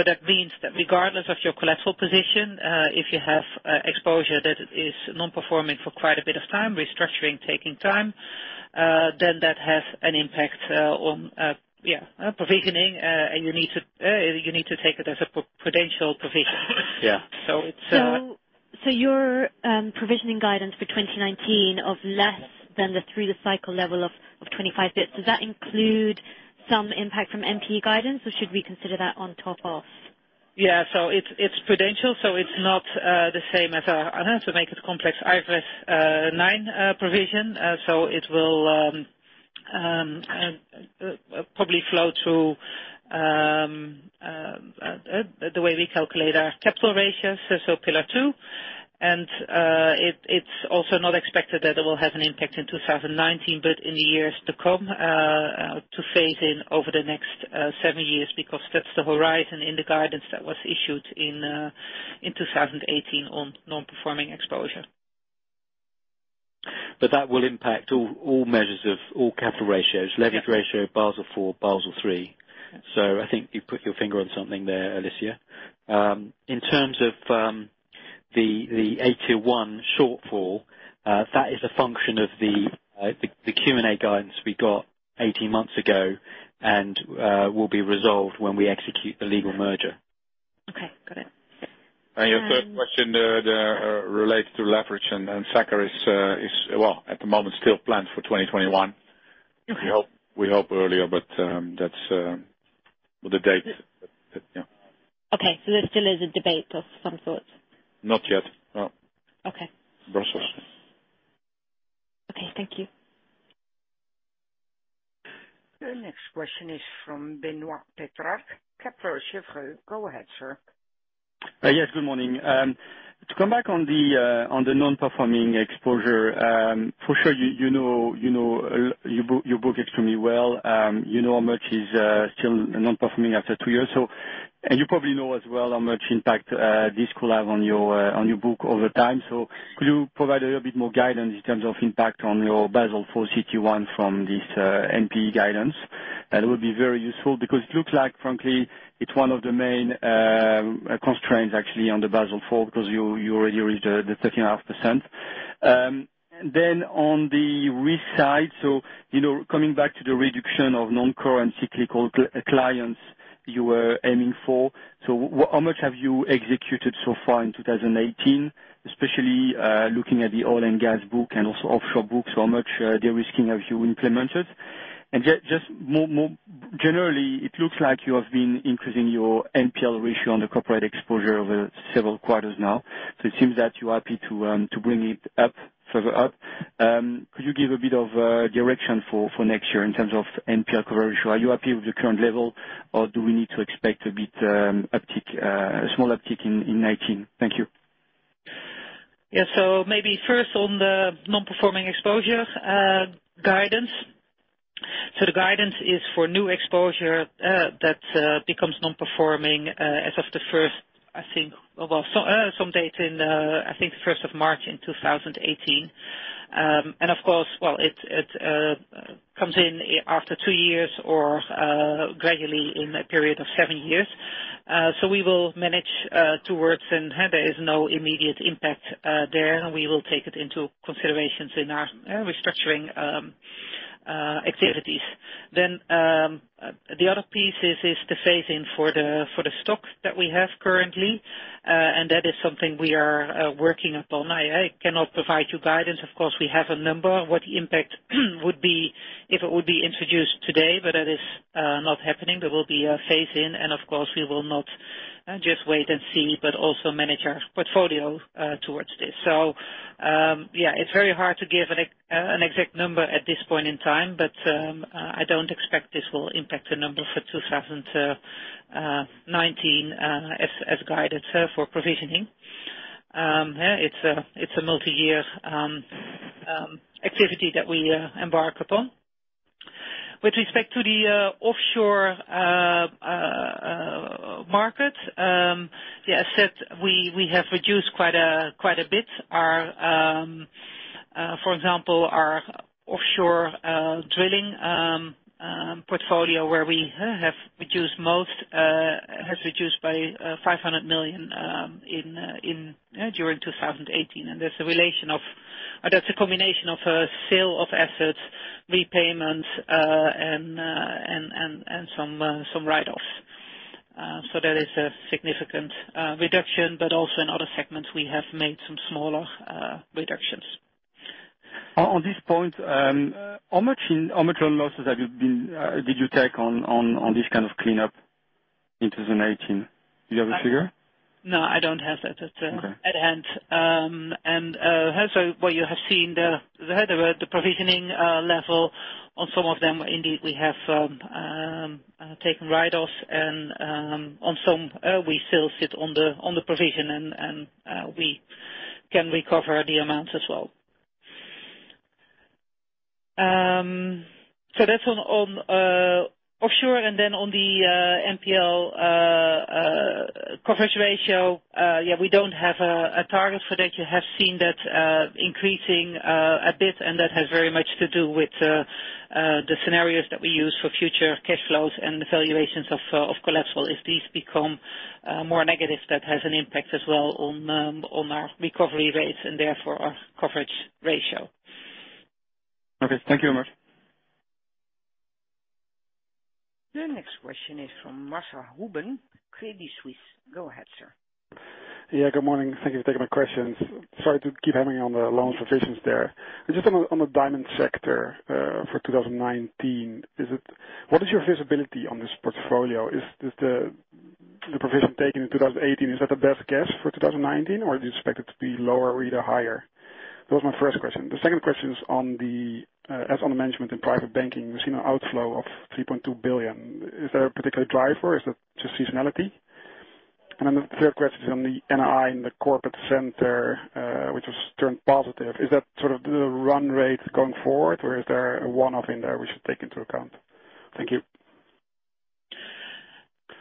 That means that regardless of your collateral position, if you have exposure that is non-performing for quite a bit of time, restructuring taking time, then that has an impact on provisioning, you need to take it as a prudential provision. Yeah. So it's- Your provisioning guidance for 2019 of less than the through the cycle level of 25 basis points, does that include some impact from NPE guidance or should we consider that on top of? It's prudential. It's not the same as, to make it complex, IFRS 9 provision. It will probably flow through the way we calculate our capital ratios, Pillar Two. It's also not expected that it will have an impact in 2019, but in the years to come, to phase in over the next seven years, because that's the horizon in the guidance that was issued in 2018 on non-performing exposure. That will impact all measures of all capital ratios. Yeah. Leverage ratio, Basel IV, Basel III. I think you've put your finger on something there, Alicia. In terms of the AT1 shortfall, that is a function of the Q&A guidance we got 18 months ago and will be resolved when we execute the legal merger. Okay. Got it. Yeah. Your third question related to leverage and SA-CCR is, well, at the moment, still planned for 2021. Okay. We hope earlier, but that's the date. Yeah. Okay. There still is a debate of some sort. Not yet. No. Okay. [Brussels.] Okay. Thank you. The next question is from Benoît Pétrarque, Kepler Cheuvreux. Go ahead, sir. Yes, good morning. To come back on the non-performing exposure, for sure you know your book extremely well. You know how much is still non-performing after two years. You probably know as well how much impact this could have on your book over time. Could you provide a bit more guidance in terms of impact on your Basel IV CET1 from this NPE guidance? That would be very useful because it looks like, frankly, it's one of the main constraints actually on the Basel IV, because you already reached the 13.5%. On the risk side, coming back to the reduction of non-core and cyclical clients you were aiming for, how much have you executed so far in 2018, especially looking at the oil and gas book and also offshore books, how much de-risking have you implemented? Just more generally, it looks like you have been increasing your NPL ratio on the corporate exposure over several quarters now. It seems that you are happy to bring it up further up. Could you give a bit of direction for next year in terms of NPL coverage? Are you happy with the current level, or do we need to expect a bit small uptick in 2019? Thank you. Maybe first on the non-performing exposure guidance. The guidance is for new exposure that becomes non-performing as of some date, I think, the March 1st, 2018. Of course, well, it comes in after two years or gradually in a period of seven years. We will manage towards, and there is no immediate impact there, and we will take it into considerations in our restructuring activities. The other piece is the phase-in for the stock that we have currently. That is something we are working upon. I cannot provide you guidance. Of course, we have a number of what the impact would be if it would be introduced today, but that is not happening. There will be a phase-in, and of course, we will not just wait and see, but also manage our portfolio towards this. Yeah, it's very hard to give an exact number at this point in time, but I don't expect this will impact the number for 2019 as guided for provisioning. Yeah, it's a multi-year activity that we embark upon. With respect to the offshore market, as I said, we have reduced quite a bit. For example, our offshore drilling portfolio, where we have reduced most, has reduced by 500 million during 2018. That's a combination of sale of assets, repayments, and some write-offs. There is a significant reduction, but also in other segments, we have made some smaller reductions. On this point, how much loan losses did you take on this kind of cleanup in 2019? Do you have a figure? No, I don't have that at hand. Okay. What you have seen there, the provisioning level on some of them, indeed, we have taken write-offs and on some, we still sit on the provision, and we can recover the amounts as well. That's on offshore. On the NPL coverage ratio, yeah, we don't have a target for that. You have seen that increasing a bit, and that has very much to do with the scenarios that we use for future cash flows and the valuations of collateral. If these become more negative, that has an impact as well on our recovery rates and therefore our coverage ratio. Okay. Thank you very much. The next question is from Marcell Houben, Credit Suisse. Go ahead, sir. Yeah, good morning. Thank you for taking my questions. Sorry to keep haranguing on the loan provisions there. Just on the diamond sector, for 2019, what is your visibility on this portfolio? Is the provision taken in 2018, is that the best guess for 2019, or do you expect it to be lower or either higher? That was my first question. The second question is on the management in private banking, we've seen an outflow of 3.2 billion. Is there a particular driver? Is that just seasonality? The third question is on the NII in the corporate center, which has turned positive. Is that sort of the run rate going forward, or is there a one-off in there we should take into account? Thank you.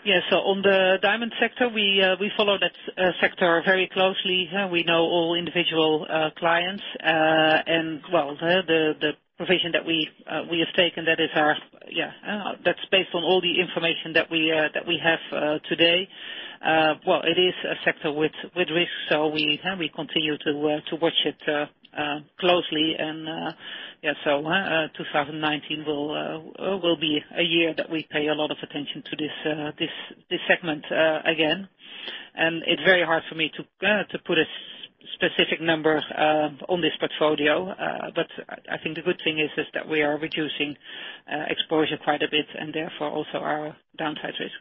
On the diamond sector, we follow that sector very closely. We know all individual clients. Well, the provision that we have taken, that's based on all the information that we have today. It is a sector with risks, so we continue to watch it closely. 2019 will be a year that we pay a lot of attention to this segment again. It's very hard for me to put a specific number on this portfolio. I think the good thing is that we are reducing exposure quite a bit and therefore also our downside risk.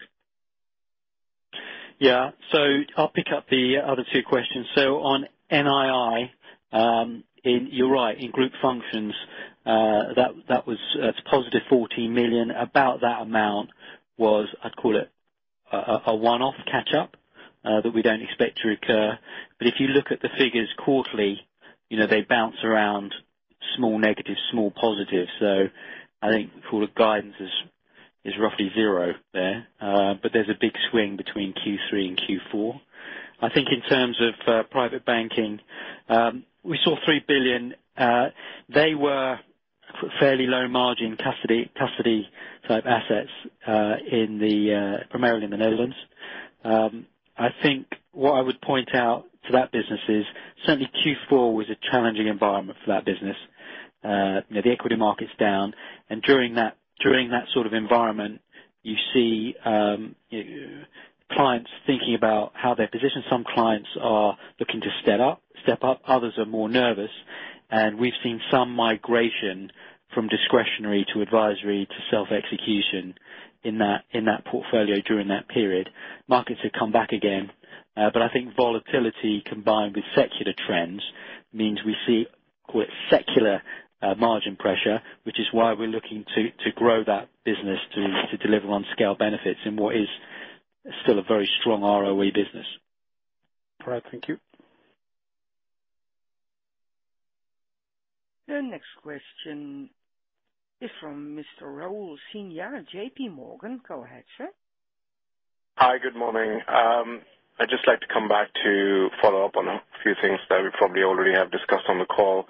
I'll pick up the other two questions. On NII, you're right, in group functions, that was a positive 14 million. About that amount was, I'd call it a one-off catch up that we don't expect to recur. If you look at the figures quarterly, they bounce around small negative, small positive. I think full guidance is roughly zero there. There's a big swing between Q3 and Q4. I think in terms of private banking, we saw 3 billion. They were fairly low margin custody-type assets primarily in the Netherlands. I think what I would point out to that business is certainly Q4 was a challenging environment for that business. The equity market's down and during that sort of environment, you see clients thinking about how they're positioned. Some clients are looking to step up, others are more nervous, we've seen some migration from discretionary to advisory to self-execution in that portfolio during that period. Markets have come back again. I think volatility combined with secular trends means we see quite secular margin pressure, which is why we're looking to grow that business to deliver on scale benefits in what is still a very strong ROE business. All right. Thank you. The next question is from Mr. Raul Sinha, JPMorgan. Go ahead, sir. Hi. Good morning. I'd just like to come back to follow up on a few things that we probably already have discussed on the call.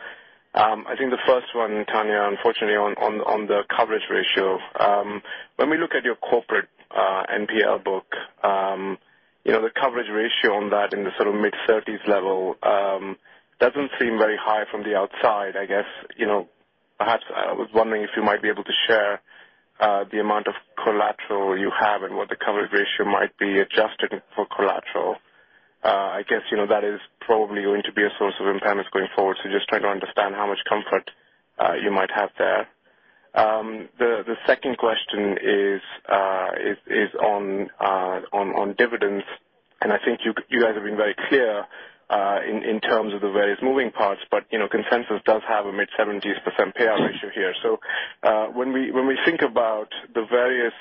I think the first one, Tanja, unfortunately on the coverage ratio. When we look at your corporate NPL book, the coverage ratio on that in the mid-30s level doesn't seem very high from the outside. I was wondering if you might be able to share the amount of collateral you have and what the coverage ratio might be adjusted for collateral. That is probably going to be a source of impairments going forward. Just trying to understand how much comfort you might have there. The second question is on dividends. I think you guys have been very clear in terms of the various moving parts, but consensus does have a mid-70% payout ratio here. When we think about the various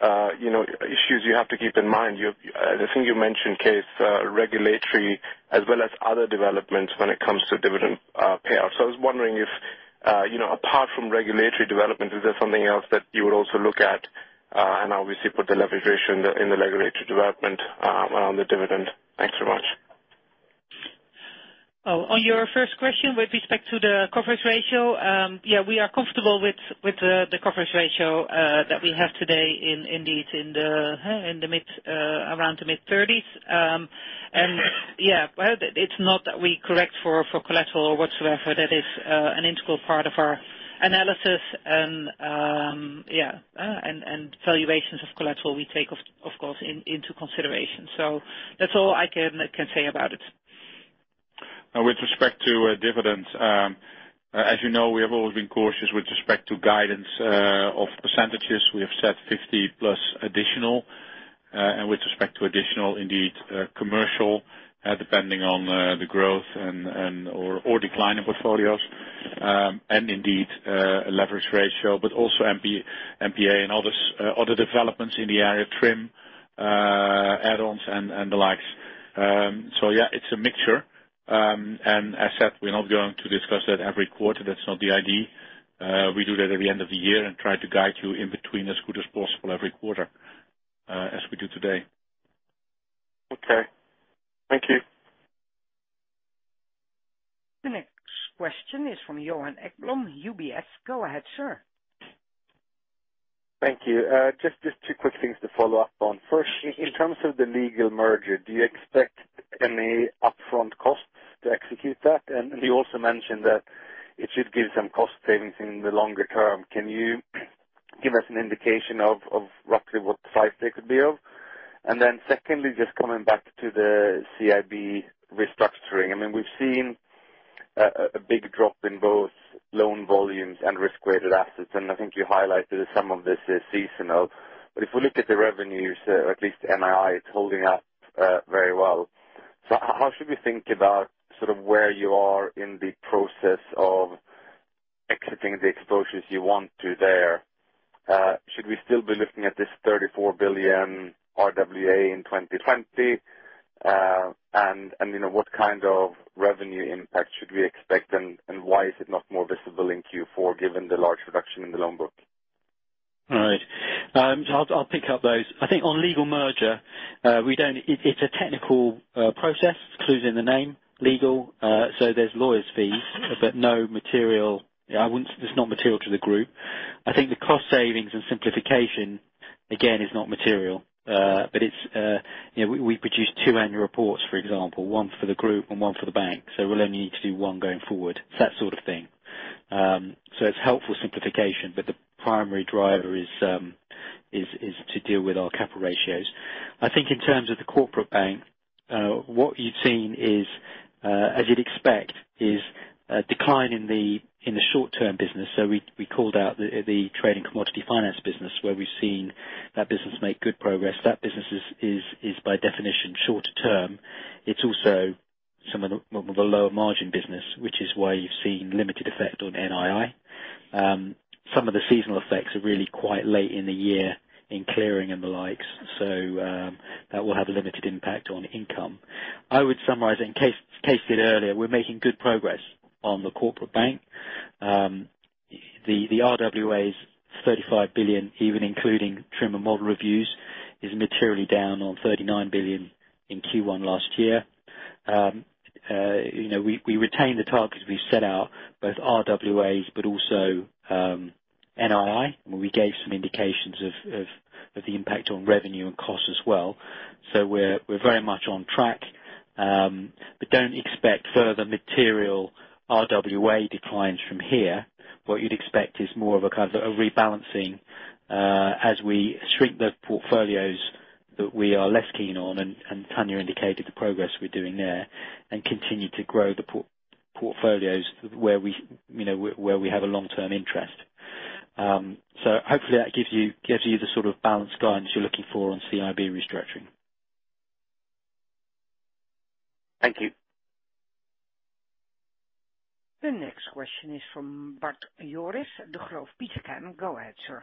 issues you have to keep in mind, I think you mentioned Kees regulatory as well as other developments when it comes to dividend payouts. I was wondering if apart from regulatory development, is there something else that you would also look at? Obviously put the leverage ratio in the regulatory development around the dividend. Thanks so much. On your first question with respect to the coverage ratio, we are comfortable with the coverage ratio that we have today indeed around the mid-30s. It's not that we correct for collateral or whatsoever. That is an integral part of our analysis and valuations of collateral we take, of course, into consideration. That's all I can say about it. With respect to dividends, as you know, we have always been cautious with respect to guidance of percentages. We have set 50+ additional, and with respect to additional, indeed, commercial, depending on the growth or decline in portfolios. Indeed, a leverage ratio, but also NPE and other developments in the area, TRIM, add-ons and the likes. Yeah, it's a mixture. As said, we're not going to discuss that every quarter. That's not the idea. We do that at the end of the year and try to guide you in between as good as possible every quarter, as we do today. Okay. Thank you. The next question is from Johan Ekblom, UBS. Go ahead, sir. Thank you. Just two quick things to follow up on. First, in terms of the legal merger, do you expect any upfront costs to execute that? You also mentioned that it should give some cost savings in the longer term. Can you give us an indication of roughly what the size that could be of? Secondly, just coming back to the CIB restructuring. We've seen a big drop in both loan volumes and risk-weighted assets, and I think you highlighted some of this is seasonal. If we look at the revenues, or at least NII, it's holding up very well. How should we think about where you are in the process of exiting the exposures you want to there? Should we still be looking at this 34 billion RWA in 2020? What kind of revenue impact should we expect and why is it not more visible in Q4 given the large reduction in the loan book? All right. I'll pick up those. I think on legal merger, it's a technical process. Clue's in the name, legal. There's lawyers fees, but it's not material to the group. I think the cost savings and simplification, again, is not material. We produce two annual reports, for example, one for the group and one for the bank. We'll only need to do one going forward. It's that sort of thing. It's helpful simplification, but the primary driver is to deal with our capital ratios. I think in terms of the corporate bank, what you've seen is, as you'd expect, is a decline in the short-term business. We called out the trade and commodity finance business, where we've seen that business make good progress. That business is by definition, shorter term. It's also more of a lower margin business, which is why you've seen limited effect on NII. Some of the seasonal effects are really quite late in the year in clearing and the likes. That will have a limited impact on income. I would summarize it, and Kees did earlier, we're making good progress on the corporate bank. The RWAs, 35 billion, even including TRIM and model reviews, is materially down on 39 billion in Q1 last year. We retain the targets we've set out, both RWAs but also NII, where we gave some indications of the impact on revenue and cost as well. We're very much on track, but don't expect further material RWA declines from here. What you'd expect is more of a rebalancing as we shrink the portfolios that we are less keen on, and Tanja indicated the progress we're doing there, and continue to grow the portfolios where we have a long-term interest. Hopefully that gives you the sort of balanced guidance you're looking for on CIB restructuring. Thank you. The next question is from Bart Jooris, Degroof Petercam. Go ahead, sir.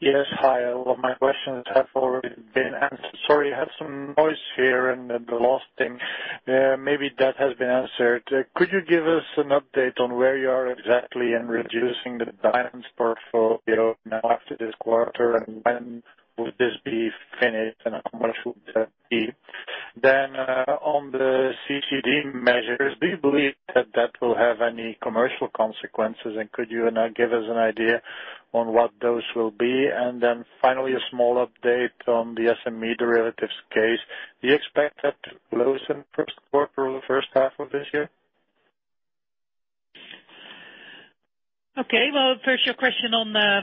Yes. Hi. My questions have already been answered. Sorry, I had some noise here in the last thing. Maybe that has been answered. Could you give us an update on where you are exactly in reducing the balance portfolio now after this quarter, and when would this be finished, and how much would that be? On the CDD measures, do you believe that that will have any commercial consequences, and could you give us an idea on what those will be? Finally, a small update on the SME derivatives case. Do you expect that to close in the first quarter or the first half of this year? First your question on the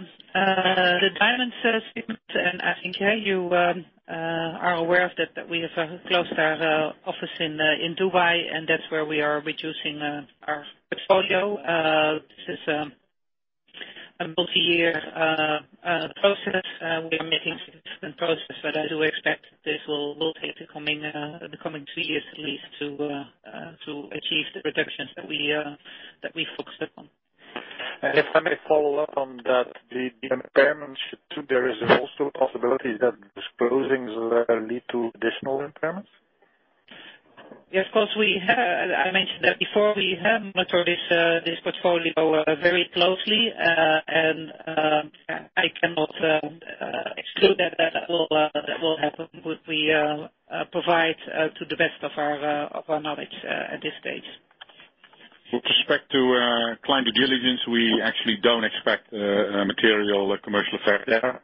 diamonds statement. I think you are aware that we have closed our office in Dubai, that's where we are reducing our portfolio. This is a multi-year process. We are making different progress, I do expect this will take the coming two years at least to achieve the reductions that we focused on. If I may follow up on that, the impairments, there is also a possibility that disposings lead to additional impairments? Yes, of course. I mentioned that before. We have monitored this portfolio very closely, and I cannot exclude that will happen. We provide to the best of our knowledge at this stage. With respect to client due diligence, we actually don't expect a material commercial effect there.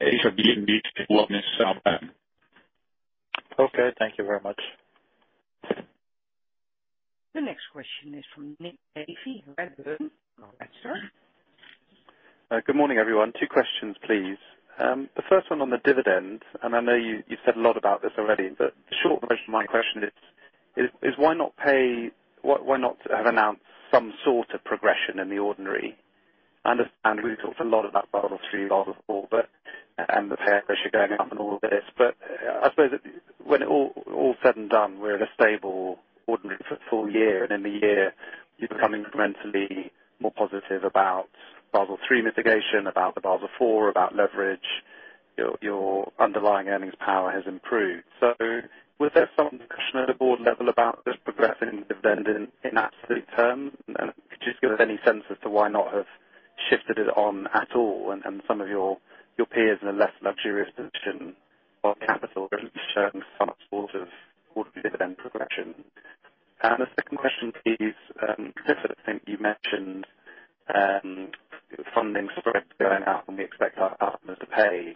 These are being made to outline this plan. Okay, thank you very much. The next question is from Nick Davey, Redburn. Go ahead, sir. Good morning, everyone. Two questions, please. The first one on the dividend. I know you've said a lot about this already, but the short version of my question is why not have announced some sort of progression in the ordinary? I understand we've talked a lot about Basel III, Basel IV, and the pay pressure going up and all of this. I suppose when all said and done, we're in a stable, ordinary, fruitful year. In the year you've become incrementally more positive about Basel III mitigation, about the Basel IV, about leverage. Your underlying earnings power has improved. Was there some discussion at the board level about this progression dividend in absolute terms? Could you just give us any sense as to why not have shifted it on at all? Some of your peers in a less luxurious position while capital returns some sort of dividend progression. The second question, please. Clifford, I think you mentioned funding spreads going up and we expect our partners to pay.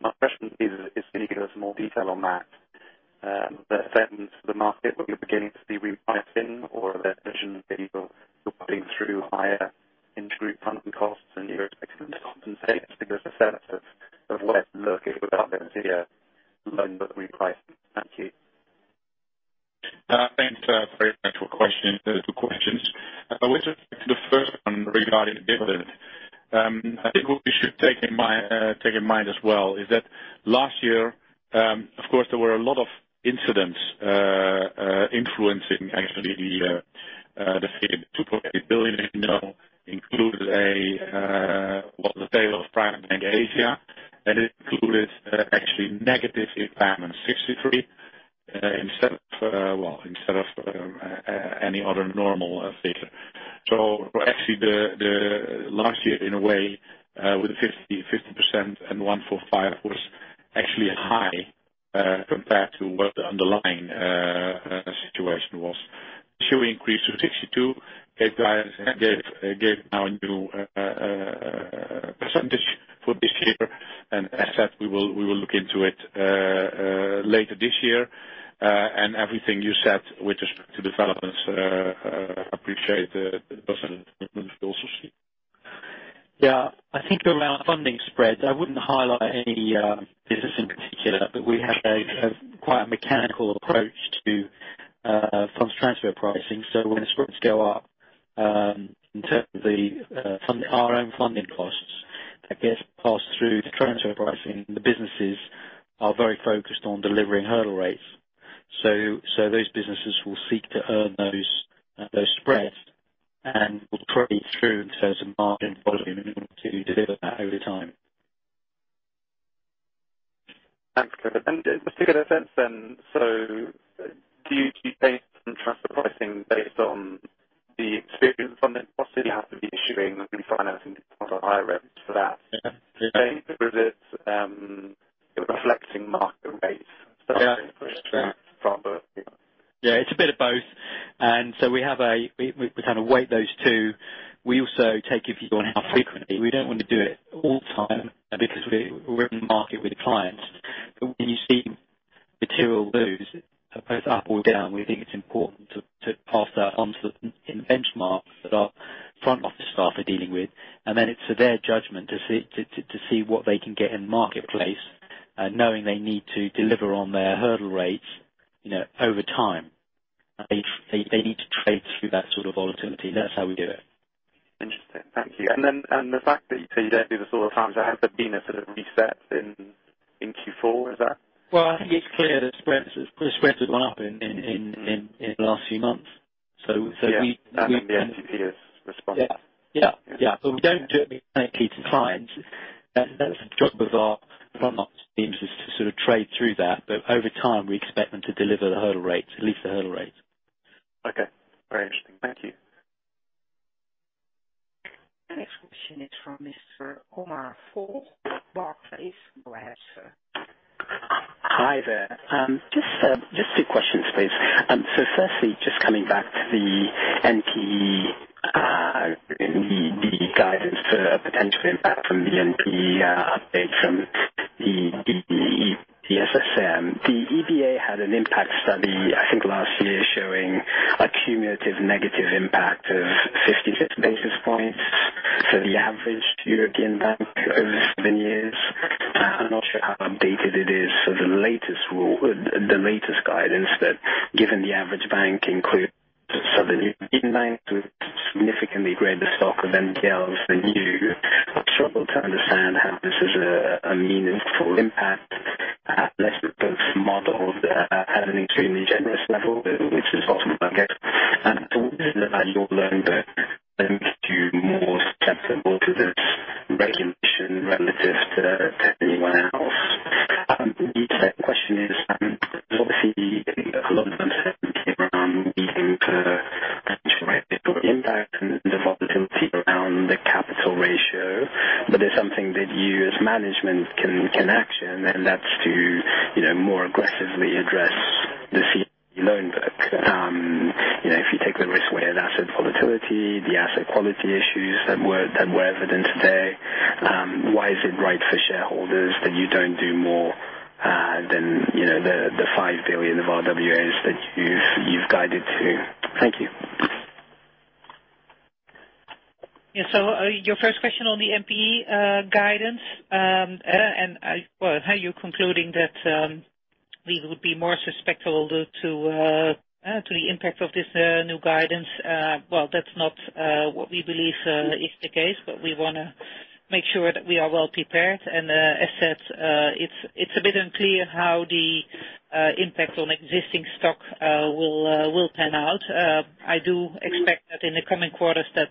My question is, can you give us more detail on that, the sentiment to the market, what you're beginning to see repricing or the tension that you're putting through higher intra-group funding costs and you're expecting to compensate? Just to give us a sense of where to look if we're partners here, loan book repricing. Thank you. Thanks very much for the questions. With respect to the first one regarding dividend, I think what we should take in mind as well is that last year, of course, there were a lot of incidents influencing actually the figure. The 2.8 billion included what the sale of Bank of Asia, and it included actually negative impairment, 63, instead of any other normal figure. Actually last year, in a way, with the 50% and 145 was actually high compared to what the underlying situation was. This year, we increased to 62, gave guidance, gave our new percentage for this year. As said, we will look into it later this year. Everything you said with respect to developments, appreciate the personal improvement we also see. I think around funding spreads, I wouldn't highlight any business in particular, but we have quite a mechanical approach to funds transfer pricing. When the spreads go up in terms of our own funding costs, that gets passed through to transfer pricing. The businesses are very focused on delivering hurdle rates. So those businesses will seek to earn those spreads and will probably through in terms of margin volume in order to deliver that over time. Thanks. Just to get a sense then, do you take some transfer pricing based on the experience from it, possibly have to be issuing and refinancing higher rates for that? Yeah. I think because it's reflecting market rates. Yeah From both. Yeah. It's a bit of both. We kind of weight those two. We also take a view on how frequently. We don't want to do it all the time because we're in the market with clients. When you see material moves, both up or down, we think it's important to pass that on to the benchmark that our front office staff are dealing with, and then it's for their judgment to see what they can get in the marketplace, knowing they need to deliver on their hurdle rates over time. They need to trade through that sort of volatility. That's how we do it. Interesting. Thank you. The fact that you don't do this all the time, has there been a sort of reset in Q4? Well, I think it's clear that spreads have gone up in the last few months. Yeah. The FTP has responded. Yeah. We don't do it mechanically to clients. That's the job of our front office teams, is to sort of trade through that. Over time, we expect them to deliver the hurdle rates, at least the hurdle rates. Okay. Very interesting. Thank you. The next question is from Mr. Omar Fall, Barclays. Go ahead, sir. Hi there. Just two questions, please. Firstly, just coming back to the NPE, the guidance for potential impact from the NPE update from the SSM. The EBA had an impact study, I think last year, showing a cumulative negative impact of 56 basis points for the average European bank over seven years. I'm not sure how updated it is for the latest rule, the latest guidance that given the average bank includes suddenly banks with significantly greater stock of NPLs than you. I struggle to understand how this is a meaningful impact, unless both models at an extremely generous level, which is possible, I guess. It doesn't look like your loan book makes you more susceptible to this regulation relative to anyone else. The second question is, there's obviously I think a lot of uncertainty around needing to potential rate impact and the volatility around the capital ratio. There's something that you as management can action, and that's to more aggressively address the loan book. If you take the risk-weighted asset volatility, the asset quality issues that were evident today, why is it right for shareholders that you don't do more than the 5 billion of RWAs that you've guided to? Thank you. Your first question on the NPE guidance, and how you're concluding that we would be more susceptible to the impact of this new guidance. That's not what we believe is the case, but we want to make sure that we are well-prepared. As said it's a bit unclear how the impact on existing stock will pan out. I do expect that in the coming quarters that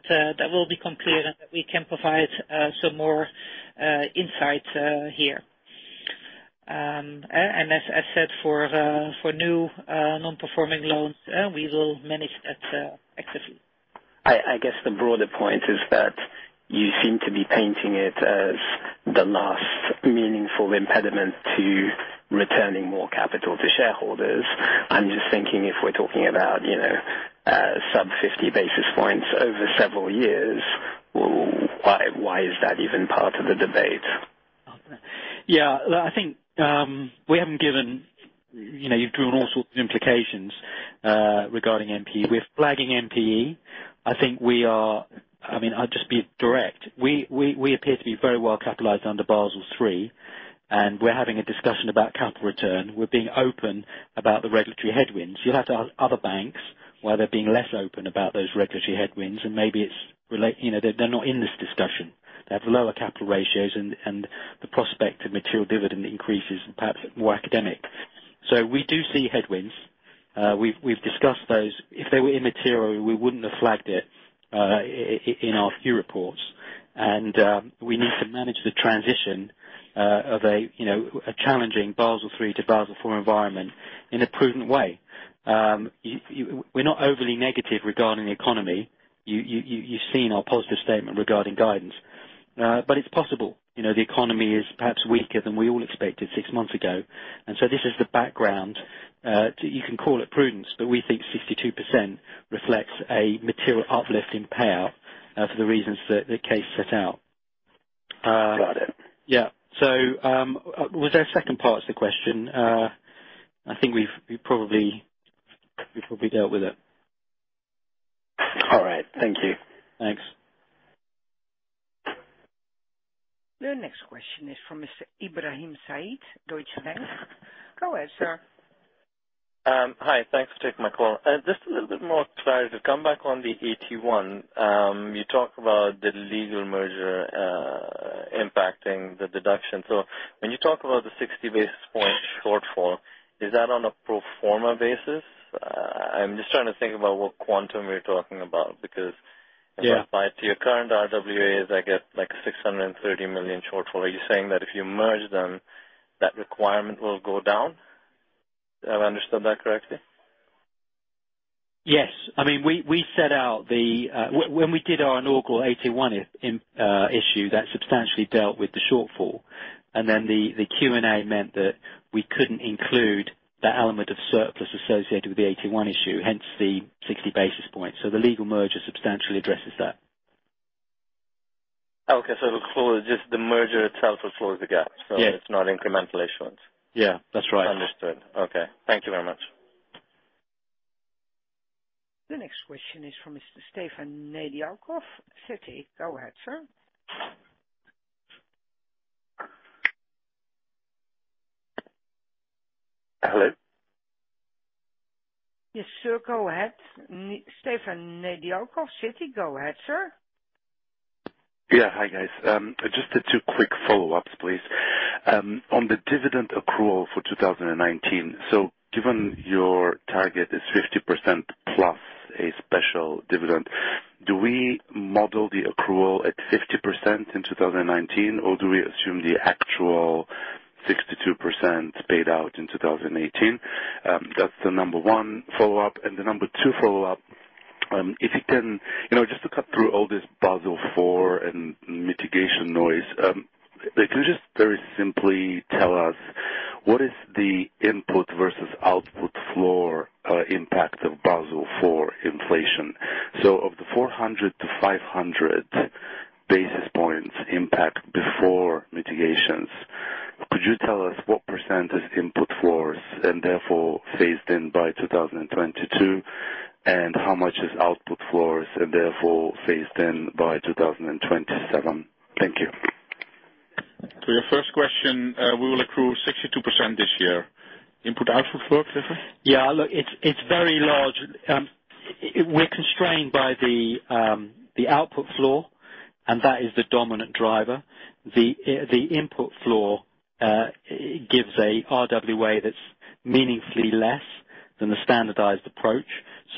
will become clear and that we can provide some more insights here. As said, for new non-performing loans, we will manage that actively. I guess the broader point is that you seem to be painting it as the last meaningful impediment to returning more capital to shareholders. I'm just thinking if we're talking about sub 50 basis points over several years, why is that even part of the debate? Yeah. You've drawn all sorts of implications regarding NPE. We're flagging NPE. I'll just be direct. We appear to be very well capitalized under Basel III, and we're having a discussion about capital return. We're being open about the regulatory headwinds. You'll have to ask other banks why they're being less open about those regulatory headwinds, and maybe it's they're not in this discussion. They have lower capital ratios and the prospect of material dividend increases is perhaps more academic. We do see headwinds. We've discussed those. If they were immaterial, we wouldn't have flagged it in our few reports. We need to manage the transition of a challenging Basel III to Basel IV environment in a prudent way. We're not overly negative regarding the economy. You've seen our positive statement regarding guidance. It's possible the economy is perhaps weaker than we all expected six months ago. This is the background. You can call it prudence, but we think 62% reflects a material uplift in payout for the reasons that Kees set out. Got it. Yeah. Was there a second part to the question? I think we've probably dealt with it. All right. Thank you. Thanks. The next question is from Mr. Ibrahim Said, Deutsche Bank. Go ahead, sir. Hi. Thanks for taking my call. Just a little bit more clarity to come back on the AT1. You talked about the legal merger impacting the deduction. When you talk about the 60 basis point shortfall, is that on a pro forma basis? I'm just trying to think about what quantum you're talking about. Yeah If I apply it to your current RWAs, I get 630 million shortfall. Are you saying that if you merge them, that requirement will go down? Have I understood that correctly? Yes. When we did our inaugural AT1 issue, that substantially dealt with the shortfall. The Q&A meant that we couldn't include that element of surplus associated with the AT1 issue, hence the 60 basis points. The legal merger substantially addresses that. Okay. Just the merger itself will close the gap. Yeah. It's not incremental issuance. Yeah, that's right. Understood. Okay. Thank you very much. The next question is from Mr. Stefan Nedialkov, Citi. Go ahead, sir. Hello? Yes, sir, go ahead. Stefan Nedialkov, Citi. Go ahead, sir. Yeah. Hi, guys. Just the two quick follow-ups please. On the dividend accrual for 2019, given your target is 50%+ a special dividend, do we model the accrual at 50% in 2019 or do we assume the actual 62% paid out in 2018? That's the number one follow-up. The number two follow-up, just to cut through all this Basel IV and mitigation noise, could you just very simply tell us what is the input versus output floor impact of Basel IV inflation? Of the 400 to 500 basis points impact before mitigations, could you tell us what percent is input floors and therefore phased in by 2022, and how much is output floors and therefore phase-in by 2027? Thank you. To your first question, we will accrue 62% this year. Input output floor, Clifford? Yeah. Look, it's very large. We're constrained by the output floor, and that is the dominant driver. The input floor gives a RWA that's meaningfully less than the standardized approach.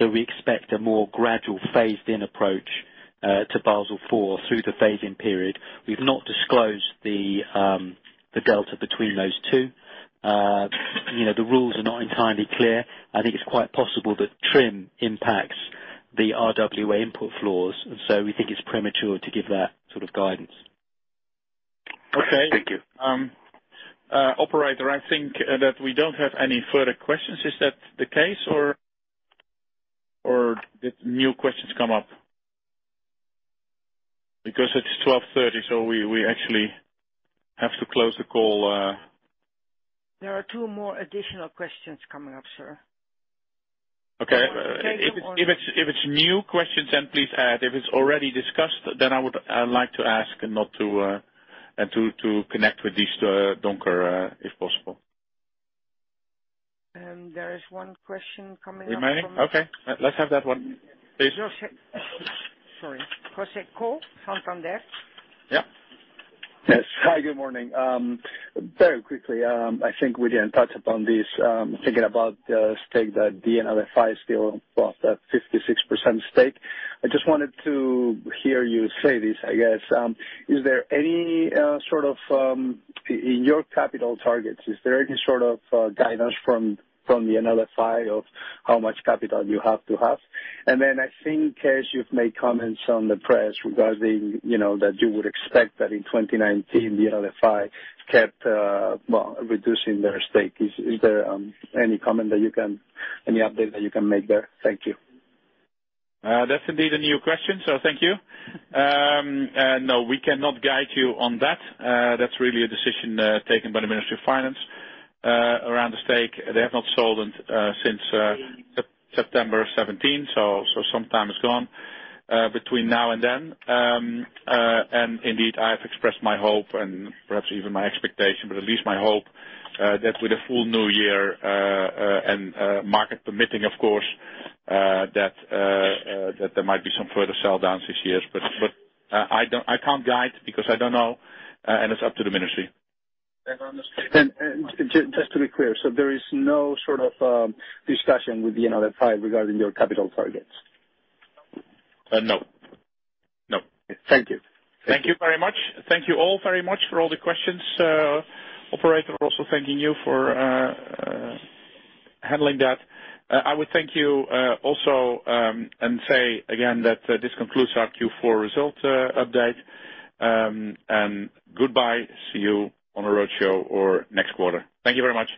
We expect a more gradual phased-in approach to Basel IV through the phase-in period. We've not disclosed the delta between those two. The rules are not entirely clear. I think it's quite possible that TRIM impacts the RWA input floors, and so we think it's premature to give that sort of guidance. Okay. Thank you. Operator, I think that we don't have any further questions. Is that the case, or did new questions come up? Because it's 12:30, so we actually have to close the call. There are two more additional questions coming up, sir. Okay. If it's new questions, then please add. If it's already discussed, then I would like to ask not to connect with this, Donker, if possible. There is one question coming up from- Remaining? Okay. Let's have that one, please. Sorry. Jose Coll, Santander. Yeah. Hi, good morning. Very quickly, I think we didn't touch upon this. Thinking about the stake that the NLFI still bought, that 56% stake. I just wanted to hear you say this, I guess. In your capital targets, is there any sort of guidance from the NLFI of how much capital you have to have? I think, as you've made comments on the press regarding that you would expect that in 2019, the NLFI kept reducing their stake. Is there any comment that you can any update that you can make there? Thank you. That's indeed a new question, thank you. No, we cannot guide you on that. That's really a decision taken by the Ministry of Finance around the stake. They have not sold since September 2017, some time has gone between now and then. Indeed, I have expressed my hope and perhaps even my expectation, but at least my hope, that with a full new year, and market permitting of course, that there might be some further sell-downs this year. I can't guide because I don't know, and it's up to the Ministry. I understand. Just to be clear, there is no sort of discussion with the NLFI regarding your capital targets? No. Thank you. Thank you very much. Thank you all very much for all the questions. Operator, also thanking you for handling that. I would thank you also and say again that this concludes our Q4 results update. Goodbye. See you on a roadshow or next quarter. Thank you very much.